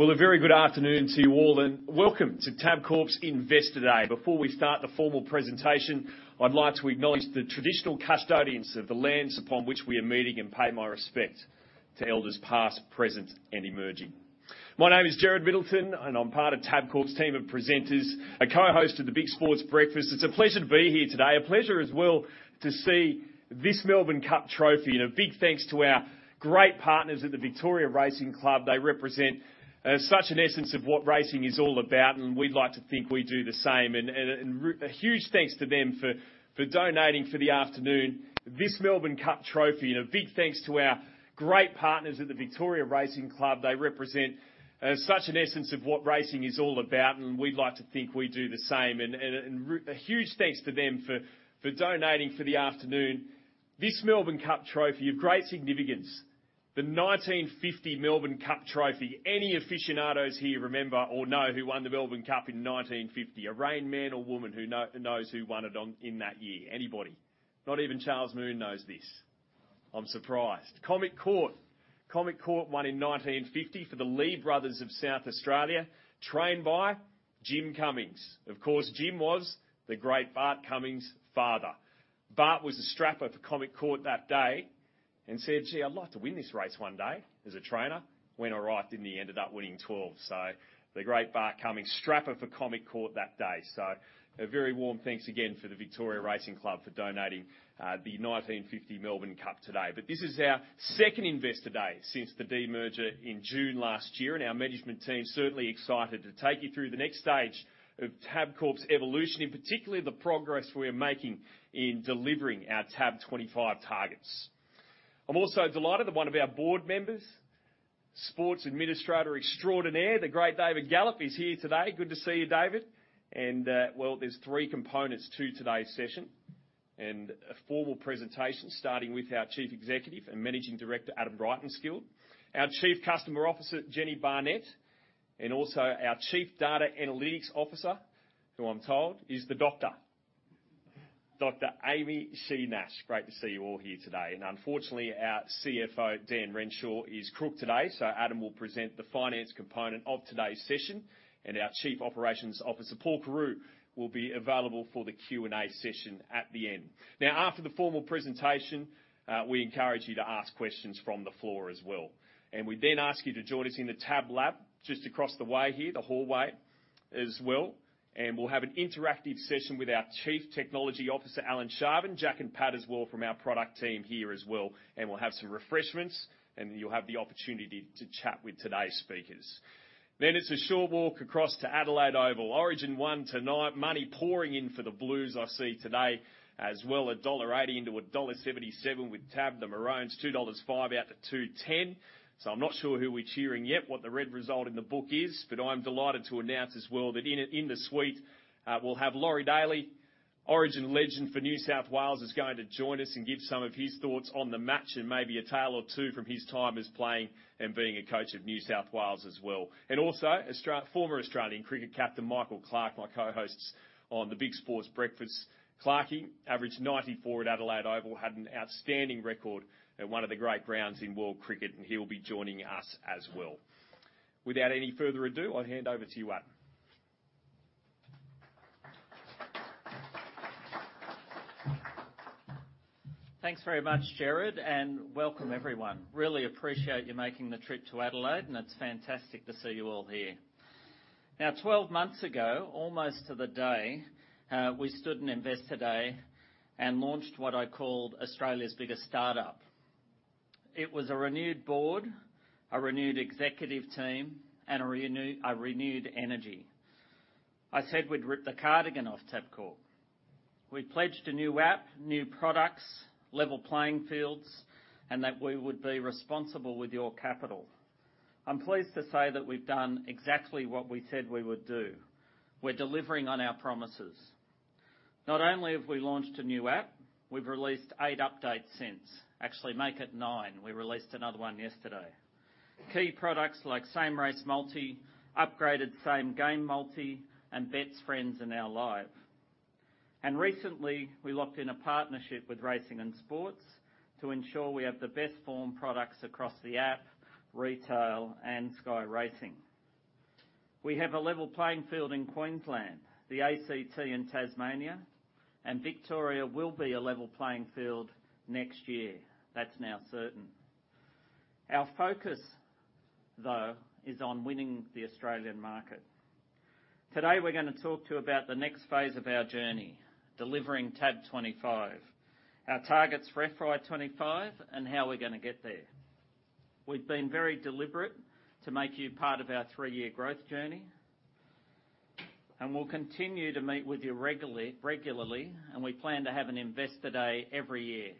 Well, a very good afternoon to you all, and welcome to Tabcorp's Investor Day. Before we start the formal presentation, I'd like to acknowledge the traditional custodians of the lands upon which we are meeting and pay my respect to elders past, present, and emerging. My name is Gerard Middleton, and I'm part of Tabcorp's team of presenters and co-host of the Big Sports Breakfast. It's a pleasure to be here today. A pleasure, as well, to see this Melbourne Cup trophy. A big thanks to our great partners at the Victoria Racing Club. They represent such an essence of what racing is all about, and we'd like to think we do the same. A huge thanks to them for donating for the afternoon, this Melbourne Cup trophy. A big thanks to our great partners at the Victoria Racing Club. They represent such an essence of what racing is all about, and we'd like to think we do the same. A huge thanks to them for donating for the afternoon, this Melbourne Cup trophy. Of great significance, the 1950 Melbourne Cup trophy. Any aficionados here remember or know who won the Melbourne Cup in 1950? A rain man or woman who knows who won it on, in that year? Anybody. Not even Charles Moon knows this. I'm surprised. Comic Court! Comic Court won in 1950 for the Lee brothers of South Australia, trained by James Cummings. Of course, Jim was the great Bart Cummings' father. Bart was a strapper for Comic Court that day and said, "Gee, I'd like to win this race one day as a trainer." Went all right, didn't he? Ended up winning 12. The great Bart Cummings, strapper for Comic Court that day. A very warm thanks again to the Victoria Racing Club for donating the 1950 Melbourne Cup today. This is our second Investor Day since the demerger in June last year, and our management team is certainly excited to take you through the next stage of Tabcorp's evolution, in particularly the progress we're making in delivering our TAB25 targets. I'm also delighted that one of our board members, sports administrator extraordinaire, the great David Gallop, is here today. Good to see you, David. Well, there's three components to today's session, and a formal presentation, starting with our Chief Executive and Managing Director, Adam Rytenskild, our Chief Customer Officer, Jenni Barnett, and also our Chief Data Analytics Officer, who I'm told is the doctor, Dr. Amy Shi-Nash. Great to see you all here today. Unfortunately, our CFO Dan Renshaw is crook today, so Adam will present the finance component of today's session, and our Chief Operations Officer Paul Carew will be available for the Q&A session at the end. After the formal presentation, we encourage you to ask questions from the floor as well. We then ask you to join us in the TAB Lab, just across the way here, the hallway, as well. We'll have an interactive session with our Chief Technology Officer Alan Sharvin, Jack and Pat as well, from our product team here as well. We'll have some refreshments, and you'll have the opportunity to chat with today's speakers. It's a short walk across to Adelaide Oval. Origin one tonight. Money pouring in for the Blues, I see today as well. Dollar 1.80 into dollar 1.77 with TAB, the Maroons, 2.05 dollars out to 2.10. I'm not sure who we're cheering yet, what the red result in the book is, but I'm delighted to announce as well that in the suite, we'll have Laurie Daley, Origin legend for New South Wales, is going to join us and give some of his thoughts on the match and maybe a tale or two from his time as playing and being a coach of New South Wales as well. Also, former Australian cricket captain, Michael Clarke, my co-host on the Big Sports Breakfast. Clarky averaged 94 at Adelaide Oval, had an outstanding record at one of the great grounds in world cricket, he'll be joining us as well. Without any further ado, I'll hand over to you, Adam. Thanks very much, Gerard, and welcome everyone. Really appreciate you making the trip to Adelaide, and it's fantastic to see you all here. Now, 12 months ago, almost to the day, we stood in Investor Day and launched what I called Australia's biggest startup. It was a renewed board, a renewed executive team, and a renewed energy. I said we'd rip the cardigan off Tabcorp. We pledged a new app, new products, level playing fields, and that we would be responsible with your capital. I'm pleased to say that we've done exactly what we said we would do. We're delivering on our promises. Not only have we launched a new app, we've released eight updates since. Actually, make it nine. We released another one yesterday. Key products like Same Race Multi, upgraded Same Game Multi, and Bets Friends are now live. Recently, we locked in a partnership with Racing and Sports to ensure we have the best form products across the app, retail, and Sky Racing. We have a level playing field in Queensland, the ACT, and Tasmania, and Victoria will be a level playing field next year. That's now certain. Our focus, though, is on winning the Australian market. Today, we're gonna talk to you about the next phase of our journey: delivering TAB25, our targets for FY 2025, and how we're gonna get there. We've been very deliberate to make you part of our three-year growth journey, and we'll continue to meet with you regularly, and we plan to have an Investor Day every year.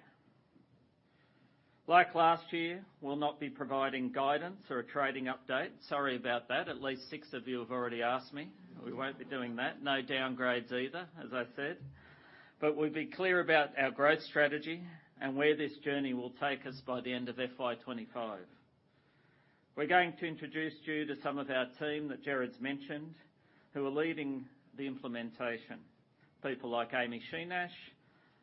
Like last year, we'll not be providing guidance or a trading update. Sorry about that. At least six of you have already asked me. We won't be doing that. No downgrades either, as I said. We'll be clear about our growth strategy and where this journey will take us by the end of FY 2025. We're going to introduce you to some of our team that Gerard's mentioned, who are leading the implementation. People like Amy Shi-Nash.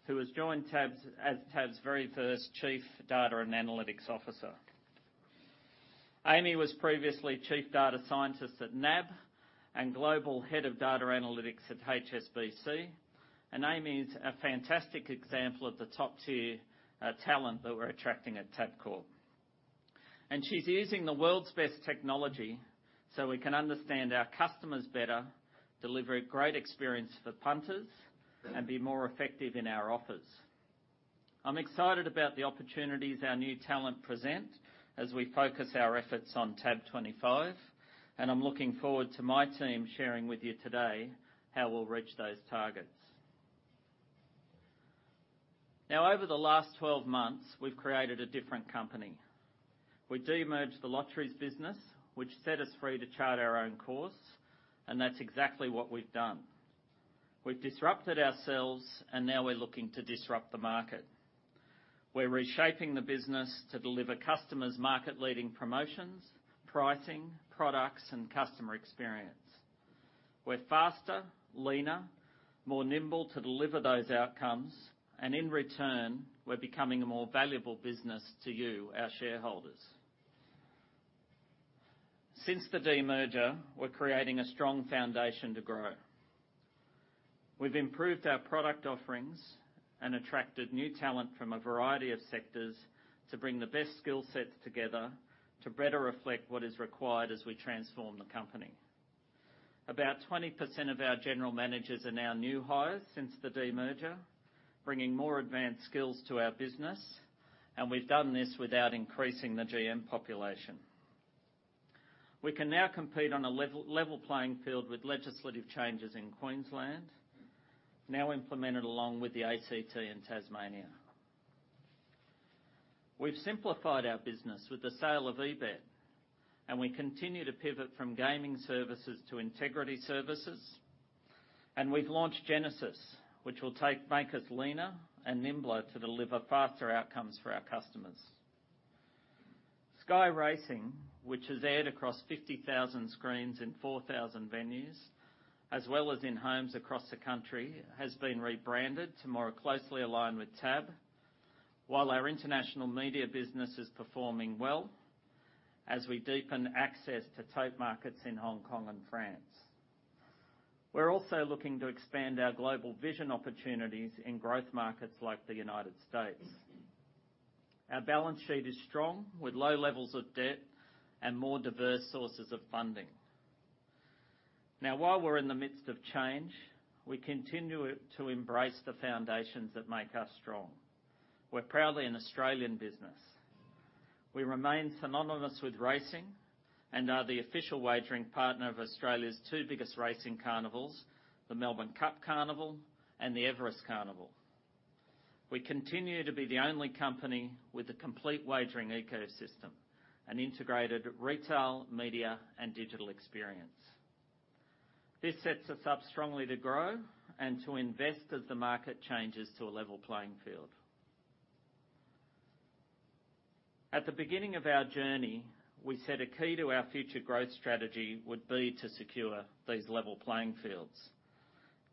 Who has joined Tabs as Tab's very first Chief Data and Analytics Officer. Amy was previously Chief Data Scientist at NAB and Global Head of Data Analytics at HSBC, Amy is a fantastic example of the top-tier talent that we're attracting at Tabcorp. She's using the world's best technology, so we can understand our customers better, deliver a great experience for punters, and be more effective in our offers. I'm excited about the opportunities our new talent present as we focus our efforts on TAB25, I'm looking forward to my team sharing with you today how we'll reach those targets. Over the last 12 months, we've created a different company. We demerged the Lotteries business, which set us free to chart our own course, and that's exactly what we've done. We've disrupted ourselves, and now we're looking to disrupt the market. We're reshaping the business to deliver customers market-leading promotions, pricing, products, and customer experience. We're faster, leaner, more nimble to deliver those outcomes, and in return, we're becoming a more valuable business to you, our shareholders. Since the de-merger, we're creating a strong foundation to grow. We've improved our product offerings and attracted new talent from a variety of sectors to bring the best skill set together to better reflect what is required as we transform the company. About 20% of our general managers are now new hires since the de-merger, bringing more advanced skills to our business, and we've done this without increasing the GM population. We can now compete on a level playing field with legislative changes in Queensland, now implemented along with the ACT in Tasmania. We've simplified our business with the sale of eBet, we continue to pivot from gaming services to integrity services, we've launched Genesis, which will take makers leaner and nimbler to deliver faster outcomes for our customers. Sky Racing, which is aired across 50,000 screens in 4,000 venues, as well as in homes across the country, has been rebranded to more closely align with TAB, while our international media business is performing well as we deepen access to tote markets in Hong Kong and France. We're also looking to expand our global vision opportunities in growth markets like the United States. Our balance sheet is strong, with low levels of debt and more diverse sources of funding. While we're in the midst of change, we continue to embrace the foundations that make us strong. We're proudly an Australian business. We remain synonymous with racing, and are the official wagering partner of Australia's 2 biggest racing carnivals, the Melbourne Cup Carnival and the Everest Carnival. We continue to be the only company with a complete wagering ecosystem, an integrated retail, media, and digital experience. This sets us up strongly to grow and to invest as the market changes to a level playing field. At the beginning of our journey, we said a key to our future growth strategy would be to secure these level playing fields.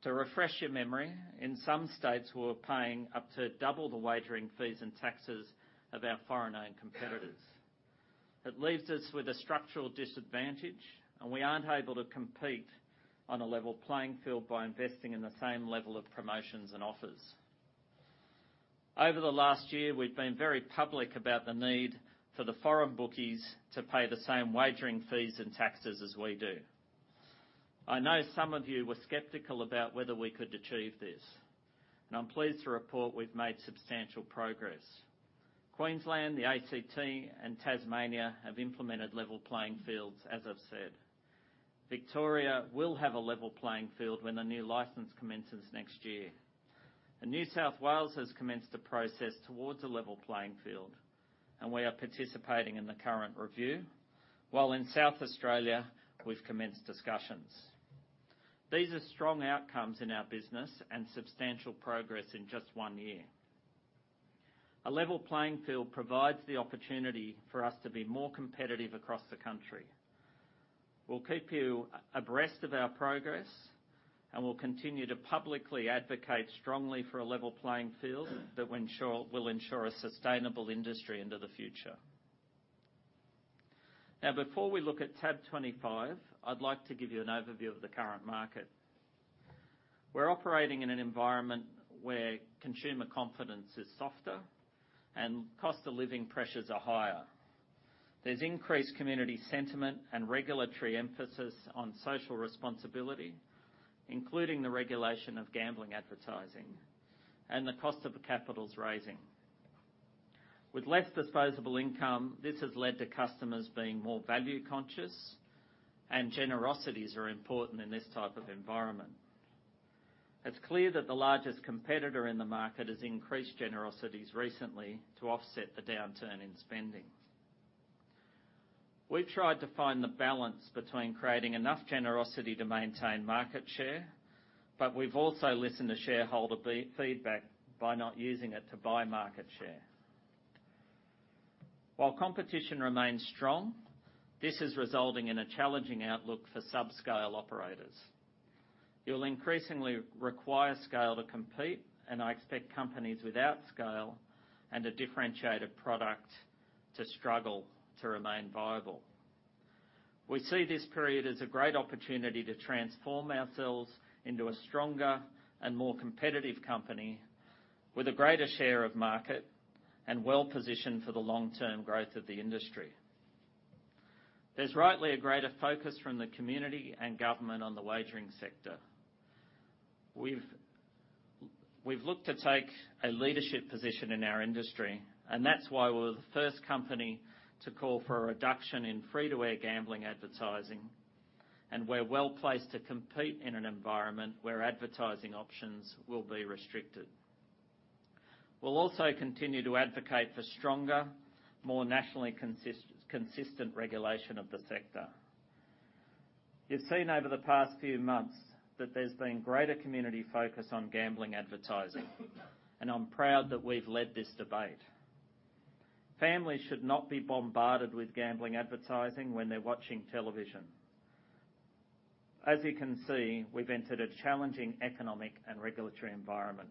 To refresh your memory, in some states, we were paying up to 2 the wagering fees and taxes of our foreign-owned competitors. It leaves us with a structural disadvantage, and we aren't able to compete on a level playing field by investing in the same level of promotions and offers. Over the last year, we've been very public about the need for the foreign bookies to pay the same wagering fees and taxes as we do. I know some of you were skeptical about whether we could achieve this, and I'm pleased to report we've made substantial progress. Queensland, the ACT, and Tasmania have implemented level playing fields, as I've said. Victoria will have a level playing field when the new license commences next year. New South Wales has commenced a process towards a level playing field, and we are participating in the current review, while in South Australia, we've commenced discussions. These are strong outcomes in our business and substantial progress in just one year. A level playing field provides the opportunity for us to be more competitive across the country. We'll keep you abreast of our progress, and we'll continue to publicly advocate strongly for a level playing field that will ensure a sustainable industry into the future. Now, before we look at TAB25, I'd like to give you an overview of the current market. We're operating in an environment where consumer confidence is softer and cost of living pressures are higher. There's increased community sentiment and regulatory emphasis on social responsibility, including the regulation of gambling, advertising, and the cost of capital is rising. With less disposable income, this has led to customers being more value-conscious, and generosities are important in this type of environment. It's clear that the largest competitor in the market has increased generosities recently to offset the downturn in spending. We've tried to find the balance between creating enough generosity to maintain market share, but we've also listened to shareholder feedback by not using it to buy market share. While competition remains strong, this is resulting in a challenging outlook for subscale operators. You'll increasingly require scale to compete, and I expect companies without scale and a differentiated product to struggle to remain viable. We see this period as a great opportunity to transform ourselves into a stronger and more competitive company with a greater share of market and well-positioned for the long-term growth of the industry. There's rightly a greater focus from the community and government on the wagering sector. We've looked to take a leadership position in our industry. That's why we're the first company to call for a reduction in free-to-air gambling advertising. We're well-placed to compete in an environment where advertising options will be restricted. We'll also continue to advocate for stronger, more nationally consistent regulation of the sector. You've seen over the past few months that there's been greater community focus on gambling advertising. I'm proud that we've led this debate. Families should not be bombarded with gambling advertising when they're watching television. As you can see, we've entered a challenging economic and regulatory environment.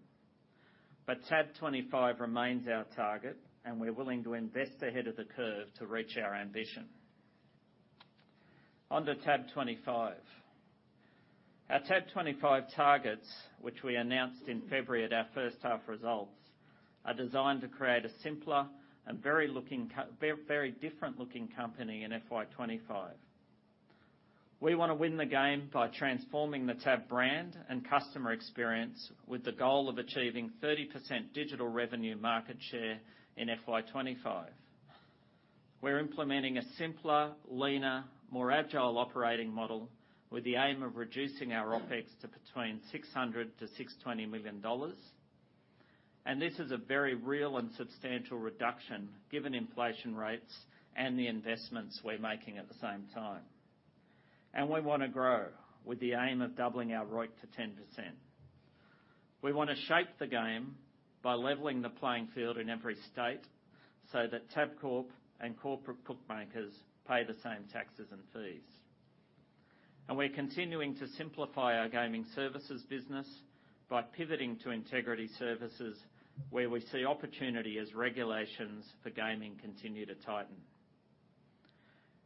TAB25 remains our target. We're willing to invest ahead of the curve to reach our ambition. On to TAB25. Our TAB25 targets, which we announced in February at our first half results, are designed to create a simpler and very different-looking company in FY 2025. We want to win the game by transforming the TAB brand and customer experience with the goal of achieving 30% digital revenue market share in FY 2025. We're implementing a simpler, leaner, more agile operating model with the aim of reducing our OpEx to between 600 million to 620 million dollars, this is a very real and substantial reduction given inflation rates and the investments we're making at the same time. We want to grow with the aim of doubling our ROIC to 10%. We want to shape the game by leveling the playing field in every state so that Tabcorp and corporate bookmakers pay the same taxes and fees. We're continuing to simplify our gaming services business by pivoting to integrity services, where we see opportunity as regulations for gaming continue to tighten.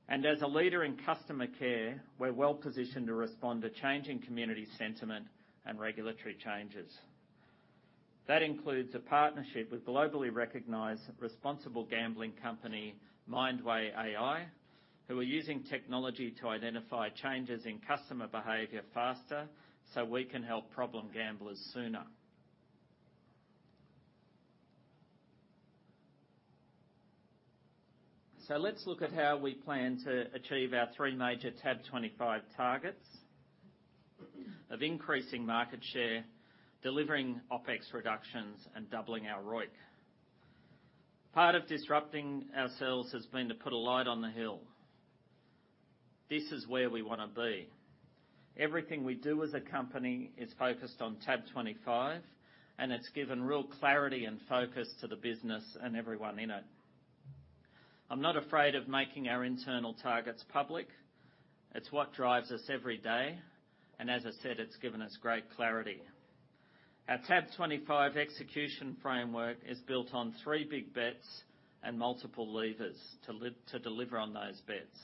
As a leader in customer care, we're well-positioned to respond to changing community sentiment and regulatory changes. That includes a partnership with globally recognized responsible gambling company, Mindway AI, who are using technology to identify changes in customer behavior faster, so we can help problem gamblers sooner. Let's look at how we plan to achieve our three major TAB25 targets of increasing market share, delivering OpEx reductions, and doubling our ROIC. Part of disrupting ourselves has been to put a light on the hill. This is where we want to be. Everything we do as a company is focused on TAB25, and it's given real clarity and focus to the business and everyone in it. I'm not afraid of making our internal targets public. It's what drives us every day, and as I said, it's given us great clarity. Our TAB25 execution framework is built on three big bets and multiple levers to deliver on those bets,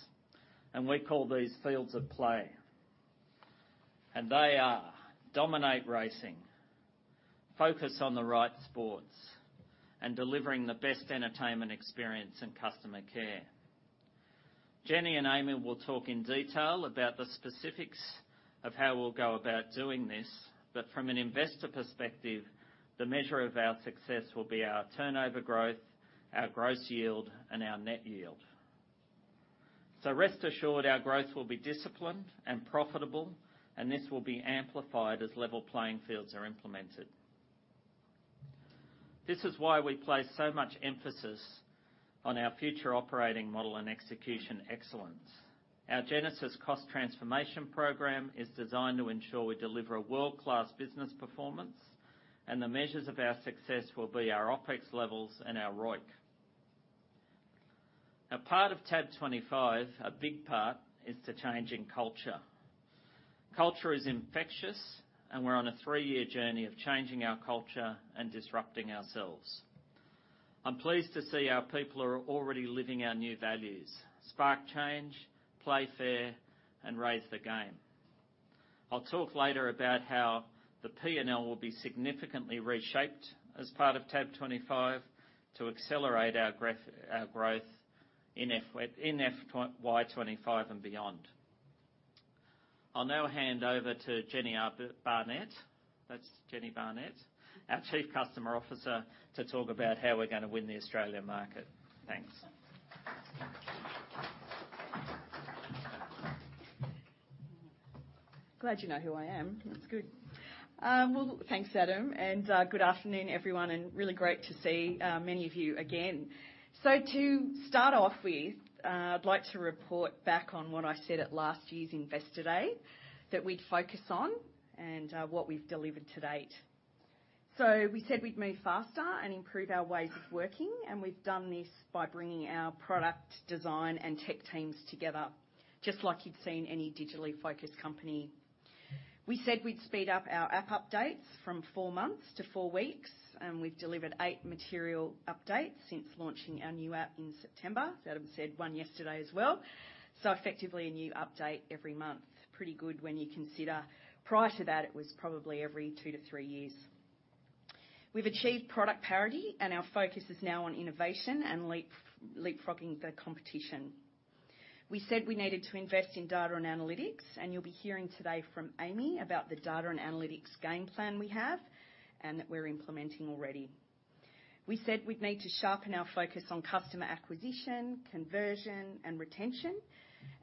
and we call these fields of play. They are: dominate racing, focus on the right sports, and delivering the best entertainment experience and customer care. Jenni and Eamonn will talk in detail about the specifics of how we'll go about doing this, but from an investor perspective, the measure of our success will be our turnover growth, our gross yield, and our net yield. Rest assured, our growth will be disciplined and profitable, and this will be amplified as level playing fields are implemented. This is why we place so much emphasis on our future operating model and execution excellence. Our Genesis cost transformation program is designed to ensure we deliver a world-class business performance, and the measures of our success will be our OpEx levels and our ROIC. A part of TAB25, a big part, is the change in culture. Culture is infectious. We're on a three-year journey of changing our culture and disrupting ourselves. I'm pleased to see our people are already living our new values: spark change, play fair, and raise the game. I'll talk later about how the P&L will be significantly reshaped as part of TAB25 to accelerate our growth in FY 2025 and beyond. I'll now hand over to Jenni Barnett. That's Jenni Barnett, our Chief Customer Officer, to talk about how we're going to win the Australian market. Thanks. Glad you know who I am. That's good. Thanks, Adam, and good afternoon, everyone, and really great to see many of you again. To start off with, I'd like to report back on what I said at last year's Investor Day, that we'd focus on and what we've delivered to date. We said we'd move faster and improve our ways of working, and we've done this by bringing our product, design, and tech teams together, just like you'd see in any digitally focused company. We said we'd speed up our app updates from 4 months to 4 weeks, and we've delivered 8 material updates since launching our new app in September. As Adam said, one yesterday as well, effectively, a new update every month. Pretty good when you consider prior to that, it was probably every 2-3 years. We've achieved product parity. Our focus is now on innovation and leapfrogging the competition. We said we needed to invest in data and analytics. You'll be hearing today from Amy about the data and analytics game plan we have, and that we're implementing already. We said we'd need to sharpen our focus on customer acquisition, conversion, and retention.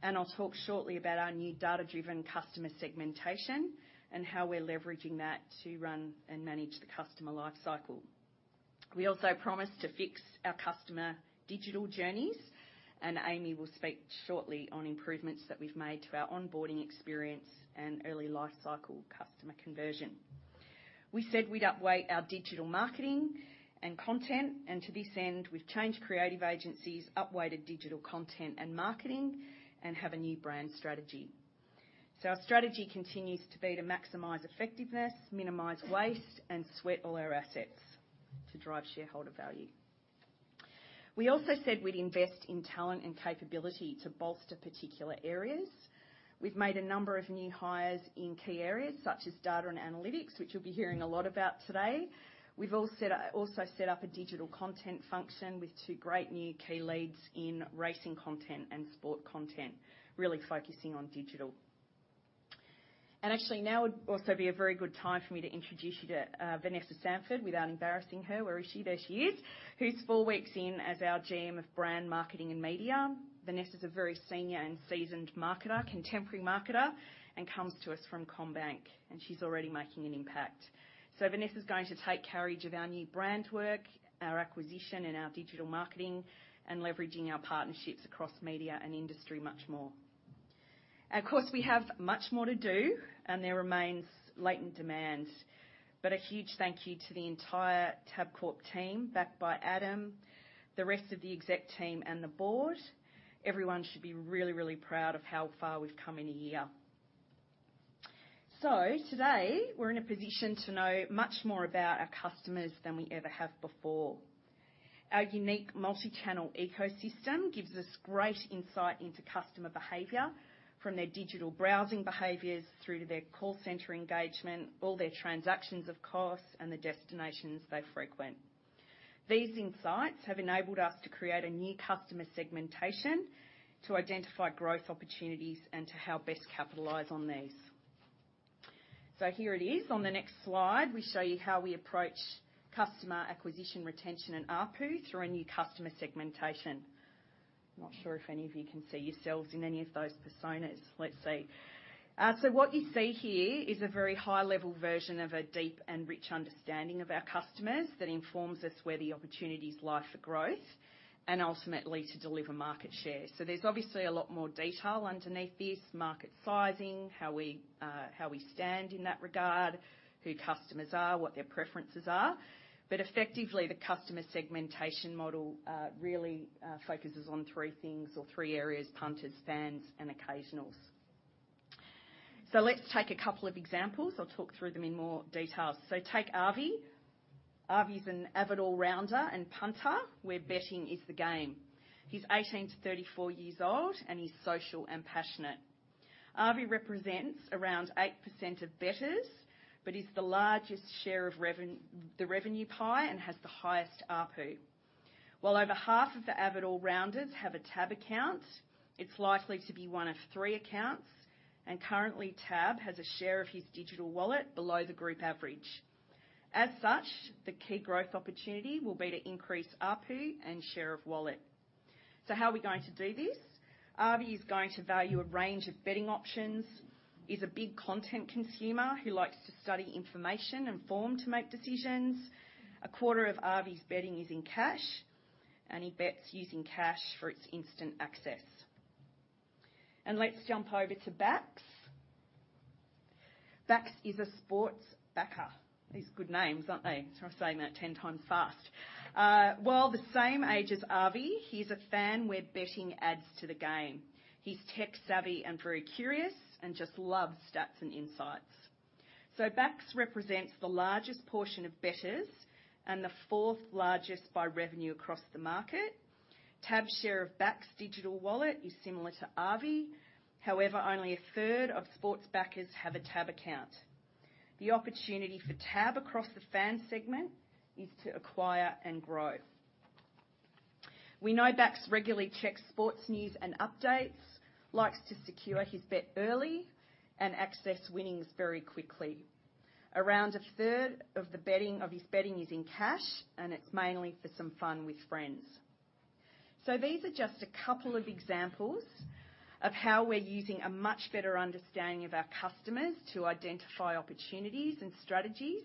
I'll talk shortly about our new data-driven customer segmentation and how we're leveraging that to run and manage the customer life cycle. We also promised to fix our customer digital journeys. Amy will speak shortly on improvements that we've made to our onboarding experience and early lifecycle customer conversion. We said we'd upweight our digital marketing and content. To this end, we've changed creative agencies, upweighted digital content and marketing, and have a new brand strategy. Our strategy continues to be to maximize effectiveness, minimize waste, and sweat all our assets to drive shareholder value. We also said we'd invest in talent and capability to bolster particular areas. We've made a number of new hires in key areas, such as data and analytics, which you'll be hearing a lot about today. We've also set up a digital content function with two great new key leads in racing content and sport content, really focusing on digital. Actually, now would also be a very good time for me to introduce you to Vanessa Sanford without embarrassing her. Where is she? There she is, who's four weeks in as our GM of Brand, Marketing, and Media. Vanessa's a very senior and seasoned marketer, contemporary marketer, and comes to us from CommBank, and she's already making an impact. Vanessa's going to take carriage of our new brand work, our acquisition, and our digital marketing, and leveraging our partnerships across media and industry much more. Of course, we have much more to do, and there remains latent demand. A huge thank you to the entire Tabcorp team, backed by Adam, the rest of the exec team, and the board. Everyone should be really proud of how far we've come in a year. Today, we're in a position to know much more about our customers than we ever have before. Our unique multi-channel ecosystem gives us great insight into customer behavior, from their digital browsing behaviors through to their call center engagement, all their transactions, of course, and the destinations they frequent. These insights have enabled us to create a new customer segmentation to identify growth opportunities and to how best capitalize on these. Here it is. On the next slide, we show you how we approach customer acquisition, retention, and ARPU through our new customer segmentation. I'm not sure if any of you can see yourselves in any of those personas. Let's see. What you see here is a very high-level version of a deep and rich understanding of our customers that informs us where the opportunities lie for growth and ultimately to deliver market share. There's obviously a lot more detail underneath this: market sizing, how we stand in that regard, who customers are, what their preferences are. Effectively, the customer segmentation model really focuses on three things or three areas, punters, fans, and occasionals. Let's take a couple of examples. I'll talk through them in more details. Take Avi. Avi's an avid all-rounder and punter, where betting is the game. He's 18-34 years old, and he's social and passionate. Avi represents around 8% of bettors, but he's the largest share of the revenue pie and has the highest ARPU. While over half of the avid all-rounders have a Tab account, it's likely to be 1 of 3 accounts, and currently, Tab has a share of his digital wallet below the group average. As such, the key growth opportunity will be to increase ARPU and share of wallet. How are we going to do this? Avi is going to value a range of betting options, he's a big content consumer who likes to study information and form to make decisions. A quarter of Avi's betting is in cash, and he bets using cash for its instant access. Let's jump over to Bax. Bax is a sports backer. These are good names, aren't they? Try saying that 10 times fast. Well, the same age as Avi, he's a fan where betting adds to the game. He's tech-savvy and very curious and just loves stats and insights. Bax represents the largest portion of bettors and the fourth largest by revenue across the market. Tab's share of Bax's digital wallet is similar to Avi. However, only 1/3 of sports backers have a Tab account. The opportunity for Tab across the fan segment is to acquire and grow. We know Bax regularly checks sports news and updates, likes to secure his bet early, and access winnings very quickly. Around 1/3 of his betting is in cash, and it's mainly for some fun with friends. These are just a couple of examples of how we're using a much better understanding of our customers to identify opportunities and strategies,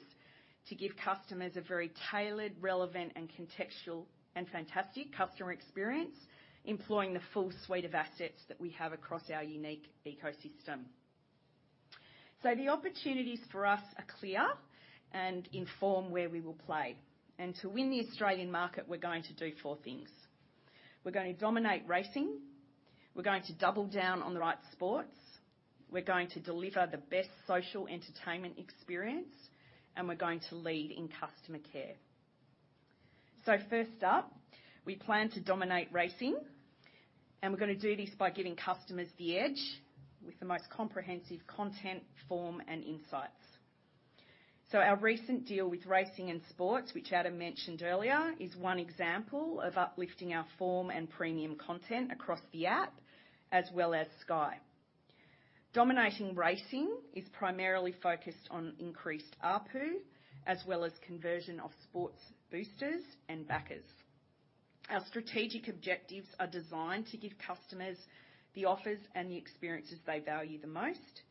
to give customers a very tailored, relevant, and contextual, and fantastic customer experience, employing the full suite of assets that we have across our unique ecosystem. The opportunities for us are clear and inform where we will play. To win the Australian market, we're going to do four things: We're going to dominate racing, we're going to double down on the right sports, we're going to deliver the best social entertainment experience, and we're going to lead in customer care. First up, we plan to dominate racing, and we're gonna do this by giving customers the edge with the most comprehensive content, form, and insights. Our recent deal with Racing and Sports, which Adam mentioned earlier, is one example of uplifting our form and premium content across the app, as well as Sky. Dominating racing is primarily focused on increased ARPU, as well as conversion of sports boosters and backers. Our strategic objectives are designed to give customers the offers and the experiences they value the most.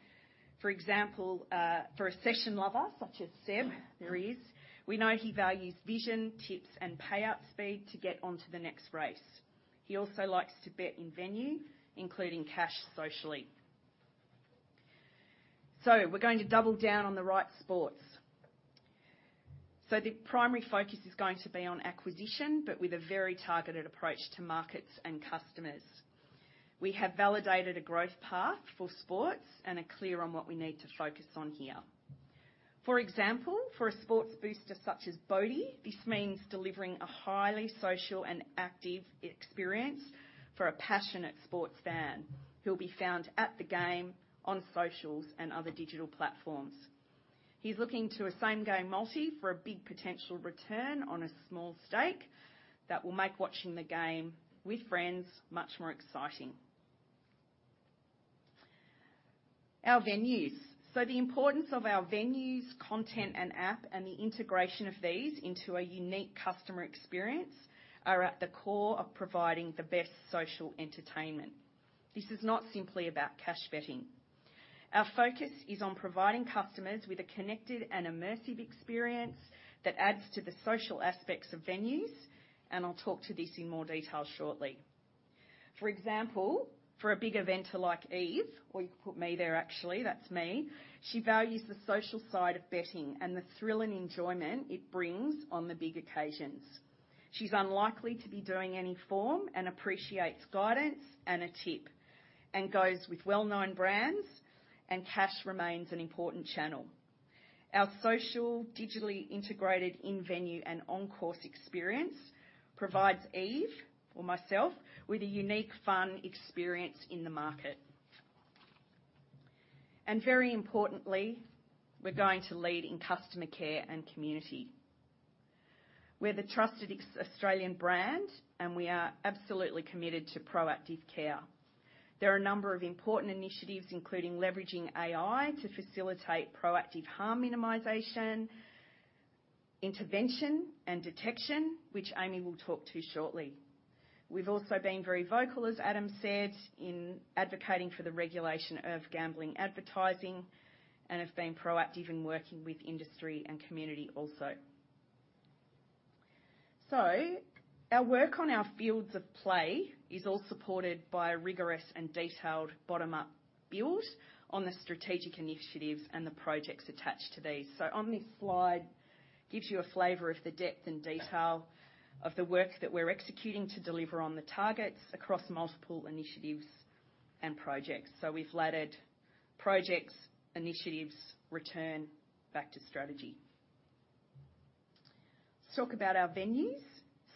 For example, for a session lover such as Seb, there he is, we know he values vision, tips, and payout speed to get onto the next race. He also likes to bet in-venue, including cash socially. We're going to double down on the right sports. The primary focus is going to be on acquisition, but with a very targeted approach to markets and customers. We have validated a growth path for sports and are clear on what we need to focus on here. For example, for a sports booster such as Bodie, this means delivering a highly social and active experience for a passionate sports fan. He'll be found at the game, on socials, and other digital platforms. He's looking to a Same Game Multi for a big potential return on a small stake that will make watching the game with friends much more exciting. Our venues. The importance of our venues, content, and app, and the integration of these into a unique customer experience, are at the core of providing the best social entertainment. This is not simply about cash betting. Our focus is on providing customers with a connected and immersive experience that adds to the social aspects of venues, and I'll talk to this in more detail shortly. For example, for a big eventer like Eve, or you could put me there, actually, that's me. She values the social side of betting and the thrill and enjoyment it brings on the big occasions. She's unlikely to be doing any form, and appreciates guidance and a tip, and goes with well-known brands, and cash remains an important channel. Our social, digitally integrated in-venue and on-course experience provides Eve or myself with a unique, fun experience in the market. Very importantly, we're going to lead in customer care and community. We're the trusted ex- Australian brand, and we are absolutely committed to proactive care. There are a number of important initiatives, including leveraging AI to facilitate proactive harm minimization, intervention, and detection, which Amy will talk to shortly. We've also been very vocal, as Adam said, in advocating for the regulation of gambling advertising, and have been proactive in working with industry and community also. Our work on our fields of play is all supported by a rigorous and detailed bottom-up build on the strategic initiatives and the projects attached to these. On this slide, gives you a flavor of the depth and detail of the work that we're executing to deliver on the targets across multiple initiatives and projects. We've laddered projects, initiatives, return back to strategy. Let's talk about our venues.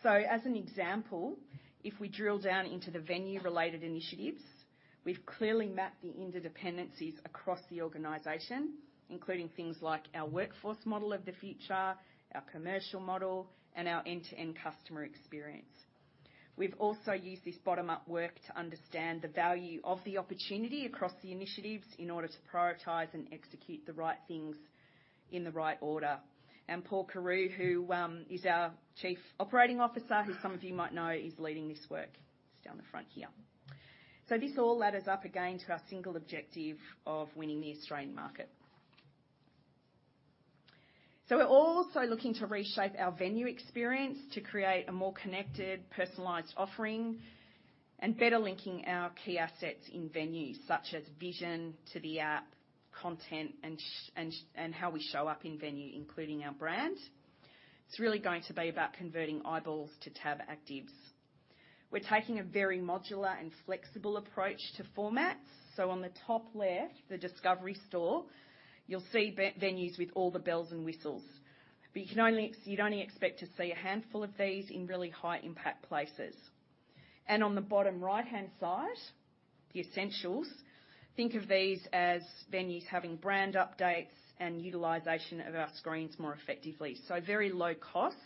As an example, if we drill down into the venue-related initiatives, we've clearly mapped the interdependencies across the organization, including things like our workforce model of the future, our commercial model, and our end-to-end customer experience. We've also used this bottom-up work to understand the value of the opportunity across the initiatives in order to prioritize and execute the right things in the right order. Paul Carew, who is our Chief Operating Officer, who some of you might know, is leading this work. He's down the front here. This all ladders up again to our single objective of winning the Australian market. We're also looking to reshape our venue experience to create a more connected, personalized offering and better linking our key assets in venues, such as vision to the app, content, and how we show up in venue, including our brand. It's really going to be about converting eyeballs to TAB actives. We're taking a very modular and flexible approach to formats. On the top left, the discovery store, you'll see venues with all the bells and whistles, but you'd only expect to see a handful of these in really high impact places. On the bottom right-hand side, the essentials. Think of these as venues having brand updates and utilization of our screens more effectively. Very low cost,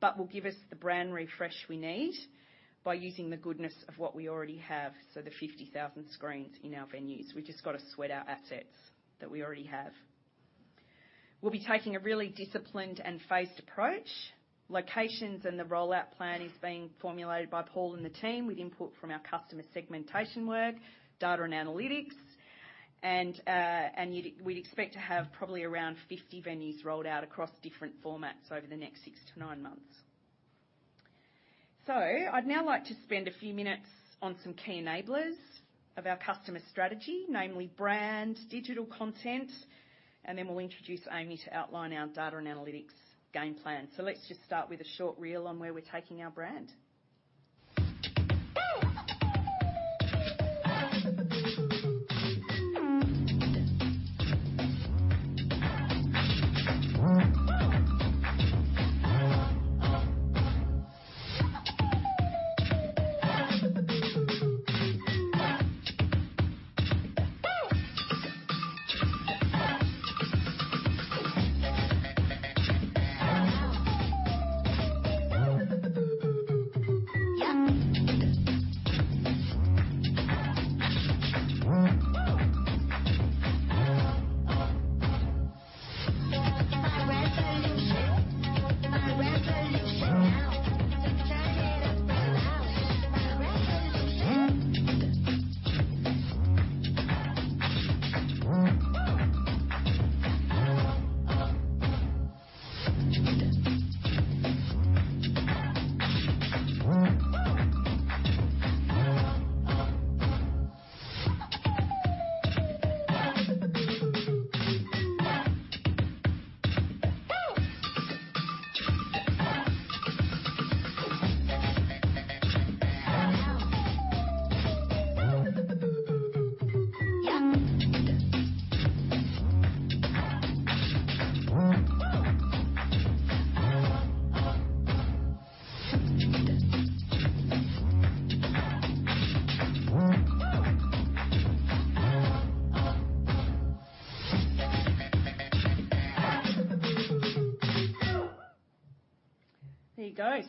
but will give us the brand refresh we need by using the goodness of what we already have, the 50,000 screens in our venues. We've just got to sweat our assets that we already have. We'll be taking a really disciplined and phased approach. Locations and the rollout plan is being formulated by Paul and the team, with input from our customer segmentation work, data and analytics, and we'd expect to have probably around 50 venues rolled out across different formats over the next 6-9 months. I'd now like to spend a few minutes on some key enablers of our customer strategy, namely brand, digital content, and then we'll introduce Amy to outline our data and analytics game plan. Let's just start with a short reel on where we're taking our brand.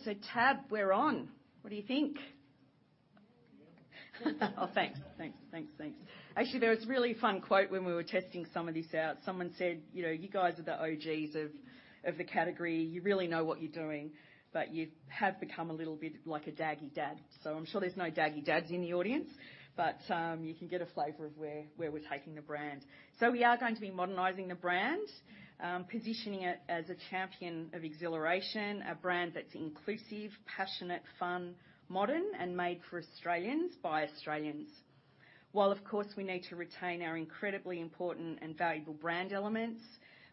There you go. TAB, we're on! What do you think? Thanks. Actually, there was a really fun quote when we were testing some of this out. Someone said: "You know, you guys are the OGs of the category. You really know what you're doing, but you have become a little bit like a daggy dad." I'm sure there's no daggy dads in the audience, but you can get a flavor of where we're taking the brand. We are going to be modernizing the brand, positioning it as a champion of exhilaration, a brand that's inclusive, passionate, fun, modern, and made for Australians by Australians. While, of course, we need to retain our incredibly important and valuable brand elements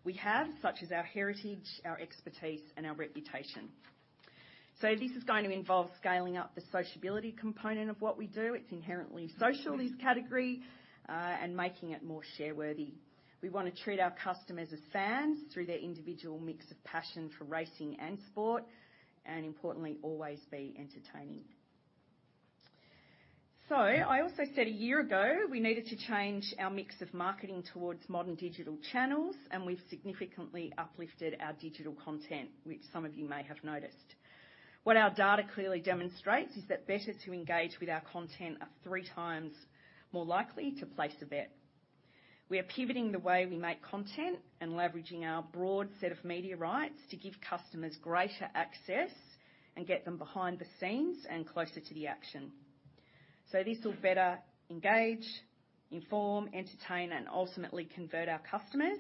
we have, such as our heritage, our expertise, and our reputation. This is going to involve scaling up the sociability component of what we do, it's inherently social, this category, and making it more shareworthy. We want to treat our customers as fans through their individual mix of passion for racing and sport, and importantly, always be entertaining. I also said a year ago, we needed to change our mix of marketing towards modern digital channels, and we've significantly uplifted our digital content, which some of you may have noticed. What our data clearly demonstrates is that betters who engage with our content are 3 times more likely to place a bet. We are pivoting the way we make content and leveraging our broad set of media rights to give customers greater access and get them behind the scenes and closer to the action. This will better engage, inform, entertain, and ultimately convert our customers.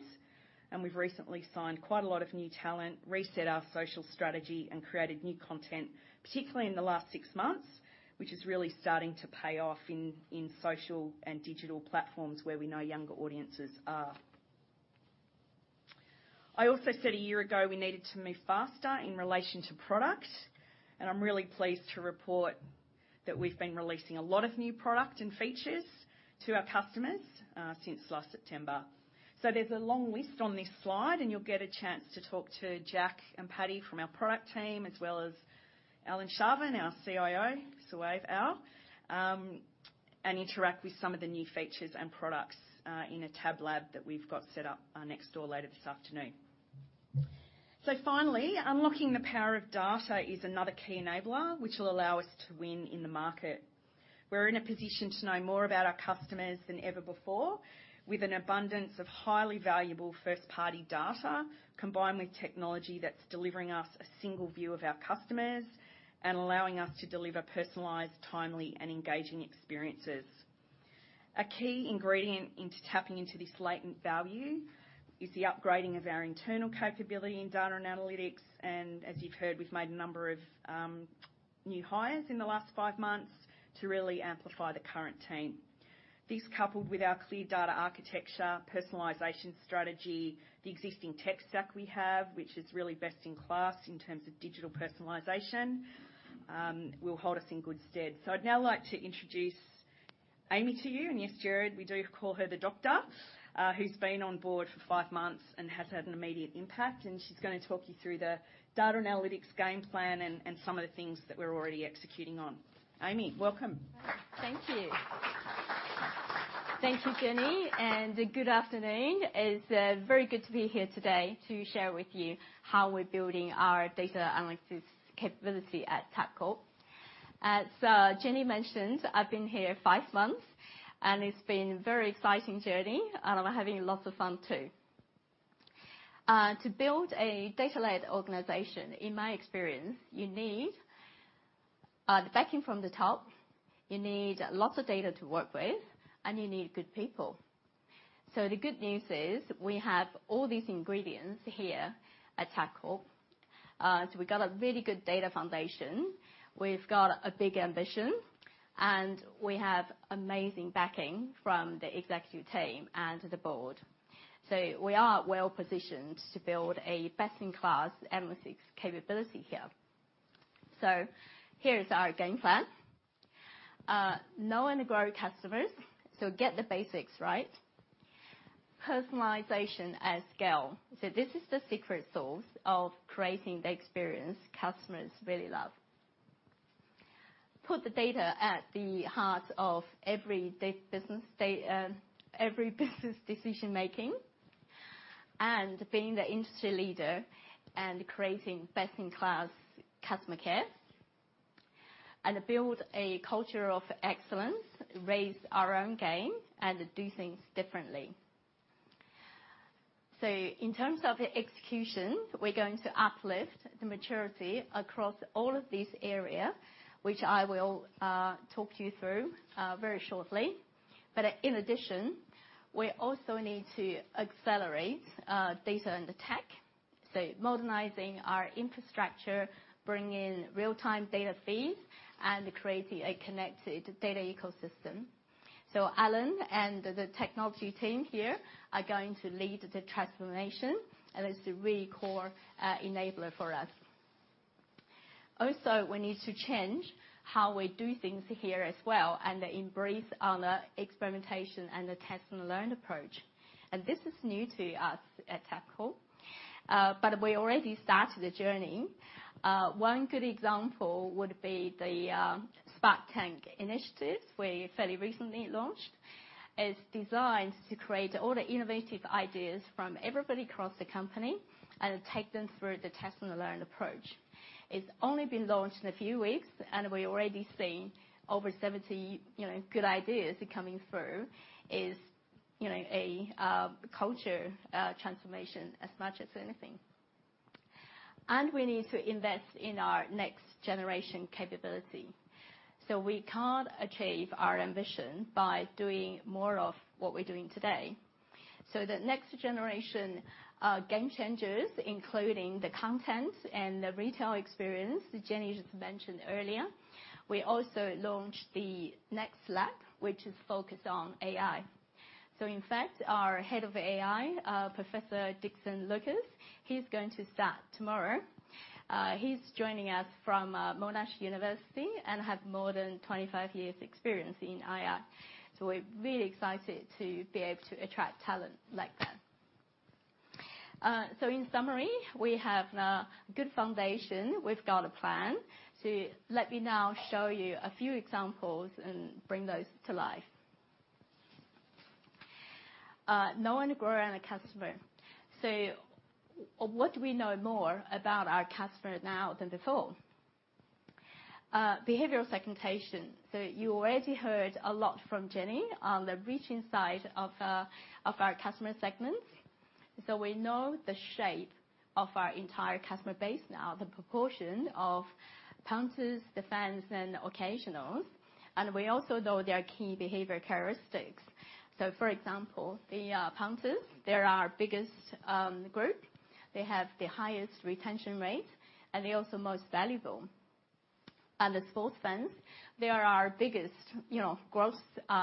We've recently signed quite a lot of new talent, reset our social strategy, and created new content, particularly in the last six months, which is really starting to pay off in social and digital platforms where we know younger audiences are. I also said a year ago, we needed to move faster in relation to product, and I'm really pleased to report that we've been releasing a lot of new product and features to our customers since last September. There's a long list on this slide, and you'll get a chance to talk to Jack and Patty from our product team, as well as Alan Sharvin, our CIO, Suave Al, and interact with some of the new features and products, in a TABlab that we've got set up, next door later this afternoon. Finally, unlocking the power of data is another key enabler, which will allow us to win in the market. We're in a position to know more about our customers than ever before, with an abundance of highly valuable first-party data, combined with technology that's delivering us a single view of our customers and allowing us to deliver personalized, timely, and engaging experiences. A key ingredient into tapping into this latent value is the upgrading of our internal capability in data and analytics, and as you've heard, we've made a number of new hires in the last 5 months to really amplify the current team. This, coupled with our clear data architecture, personalization strategy, the existing tech stack we have, which is really best in class in terms of digital personalization, will hold us in good stead. I'd now like to introduce Amy to you. Yes, Gerard, we do call her the doctor, who's been on board for 5 months and has had an immediate impact, and she's going to talk you through the data and analytics game plan and some of the things that we're already executing on. Amy, welcome. Thank you. Thank you, Jenni, and good afternoon. It's very good to be here today to share with you how we're building our data analytics capability at Tabcorp. As Jenni mentioned, I've been here five months, and it's been a very exciting journey, and I'm having lots of fun, too. To build a data-led organization, in my experience, you need the backing from the top, you need lots of data to work with, and you need good people. The good news is, we have all these ingredients here at Tabcorp. We've got a really good data foundation, we've got a big ambition, and we have amazing backing from the executive team and the board. We are well-positioned to build a best-in-class analytics capability here. Here is our game plan. Know and grow customers, so get the basics right. Personalization at scale, this is the secret sauce of creating the experience customers really love. Put the data at the heart of every day business, every business decision-making, and being the industry leader and creating best-in-class customer care. Build a culture of excellence, raise our own game, and do things differently. In terms of execution, we're going to uplift the maturity across all of these area, which I will talk you through very shortly. In addition, we also need to accelerate data and the tech, so modernizing our infrastructure, bring in real-time data feeds, and creating a connected data ecosystem. Alan and the technology team here are going to lead the transformation, and it's a really core enabler for us. We need to change how we do things here as well, and embrace on the experimentation and the test and learn approach. This is new to us at Tabcorp, but we already started the journey. One good example would be the Spark Tank initiative we fairly recently launched. It's designed to create all the innovative ideas from everybody across the company, and take them through the test and learn approach. It's only been launched in a few weeks, and we're already seeing over 70, you know, good ideas coming through. Is, you know, a culture transformation as much as anything. We need to invest in our next generation capability. We can't achieve our ambition by doing more of what we're doing today. The next generation, game changers, including the content and the retail experience that Jenni just mentioned earlier, we also launched the Next Lab, which is focused on AI. In fact, our Head of AI, Professor Dickson Lukose, he's going to start tomorrow. He's joining us from Monash University and have more than 25 years experience in AI. We're really excited to be able to attract talent like that. In summary, we have now a good foundation. We've got a plan. Let me now show you a few examples and bring those to life. Know and grow our customer. What do we know more about our customer now than before? Behavioral segmentation. You already heard a lot from Jenni on the reaching side of our customer segments. We know the shape of our entire customer base now, the proportion of punters, the fans, and occasionals, and we also know their key behavior characteristics. For example, the punters, they're our biggest group. They have the highest retention rate, and they're also most valuable. The sports fans, they are our biggest, you know, growth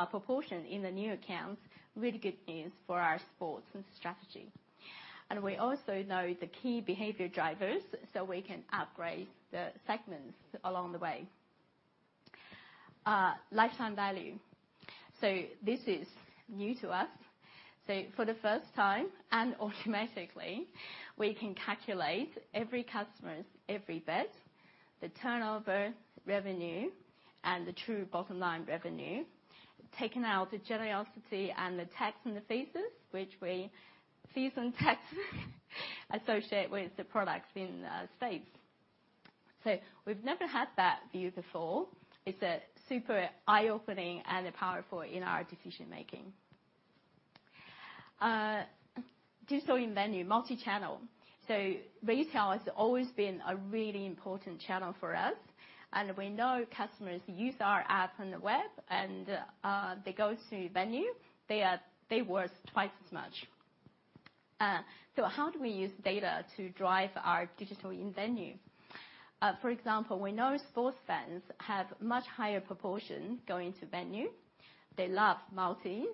proportion in the new accounts. Really good news for our sports strategy. We also know the key behavior drivers, so we can upgrade the segments along the way. Lifetime value. This is new to us. For the first time, and automatically, we can calculate every customer's every bet, the turnover revenue, and the true bottom line revenue, taking out the generosity and the tax and the fees and tax, associated with the products in space. We've never had that view before. It's a super eye-opening and powerful in our decision making. Digital in venue, multi-channel. Retail has always been a really important channel for us, and we know customers use our app on the web, and they go to venue, they worth twice as much. How do we use data to drive our digital in venue? For example, we know sports fans have much higher proportion going to venue. They love multis,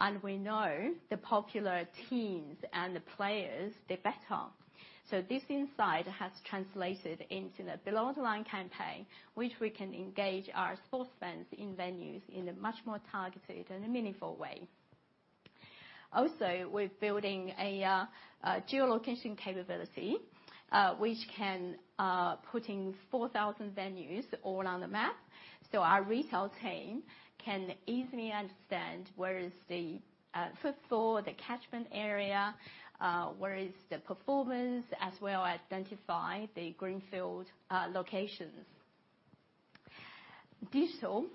and we know the popular teams and the players, they bet on. This insight has translated into the below the line campaign, which we can engage our sports fans in venues in a much more targeted and meaningful way. We're building a geolocation capability, which can putting 4,000 venues all on the map, so our retail team can easily understand where is the football, the catchment area, where is the performance, as well as identify the greenfield locations. Digital,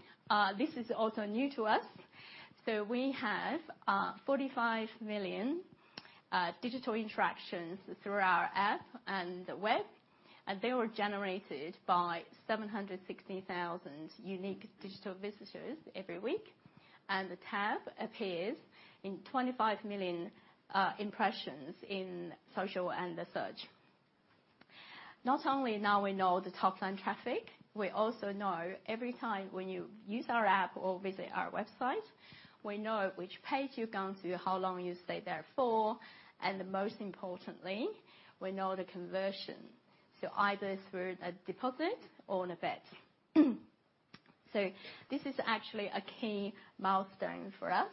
this is also new to us. We have 45 million digital interactions through our app and the web, and they were generated by 760,000 unique digital visitors every week, and the TAB appears in 25 million impressions in social and the search. Not only now we know the top-line traffic, we also know every time when you use our app or visit our website, we know which page you've gone to, how long you stayed there for, and most importantly, we know the conversion, so either through a deposit or on a bet. This is actually a key milestone for us.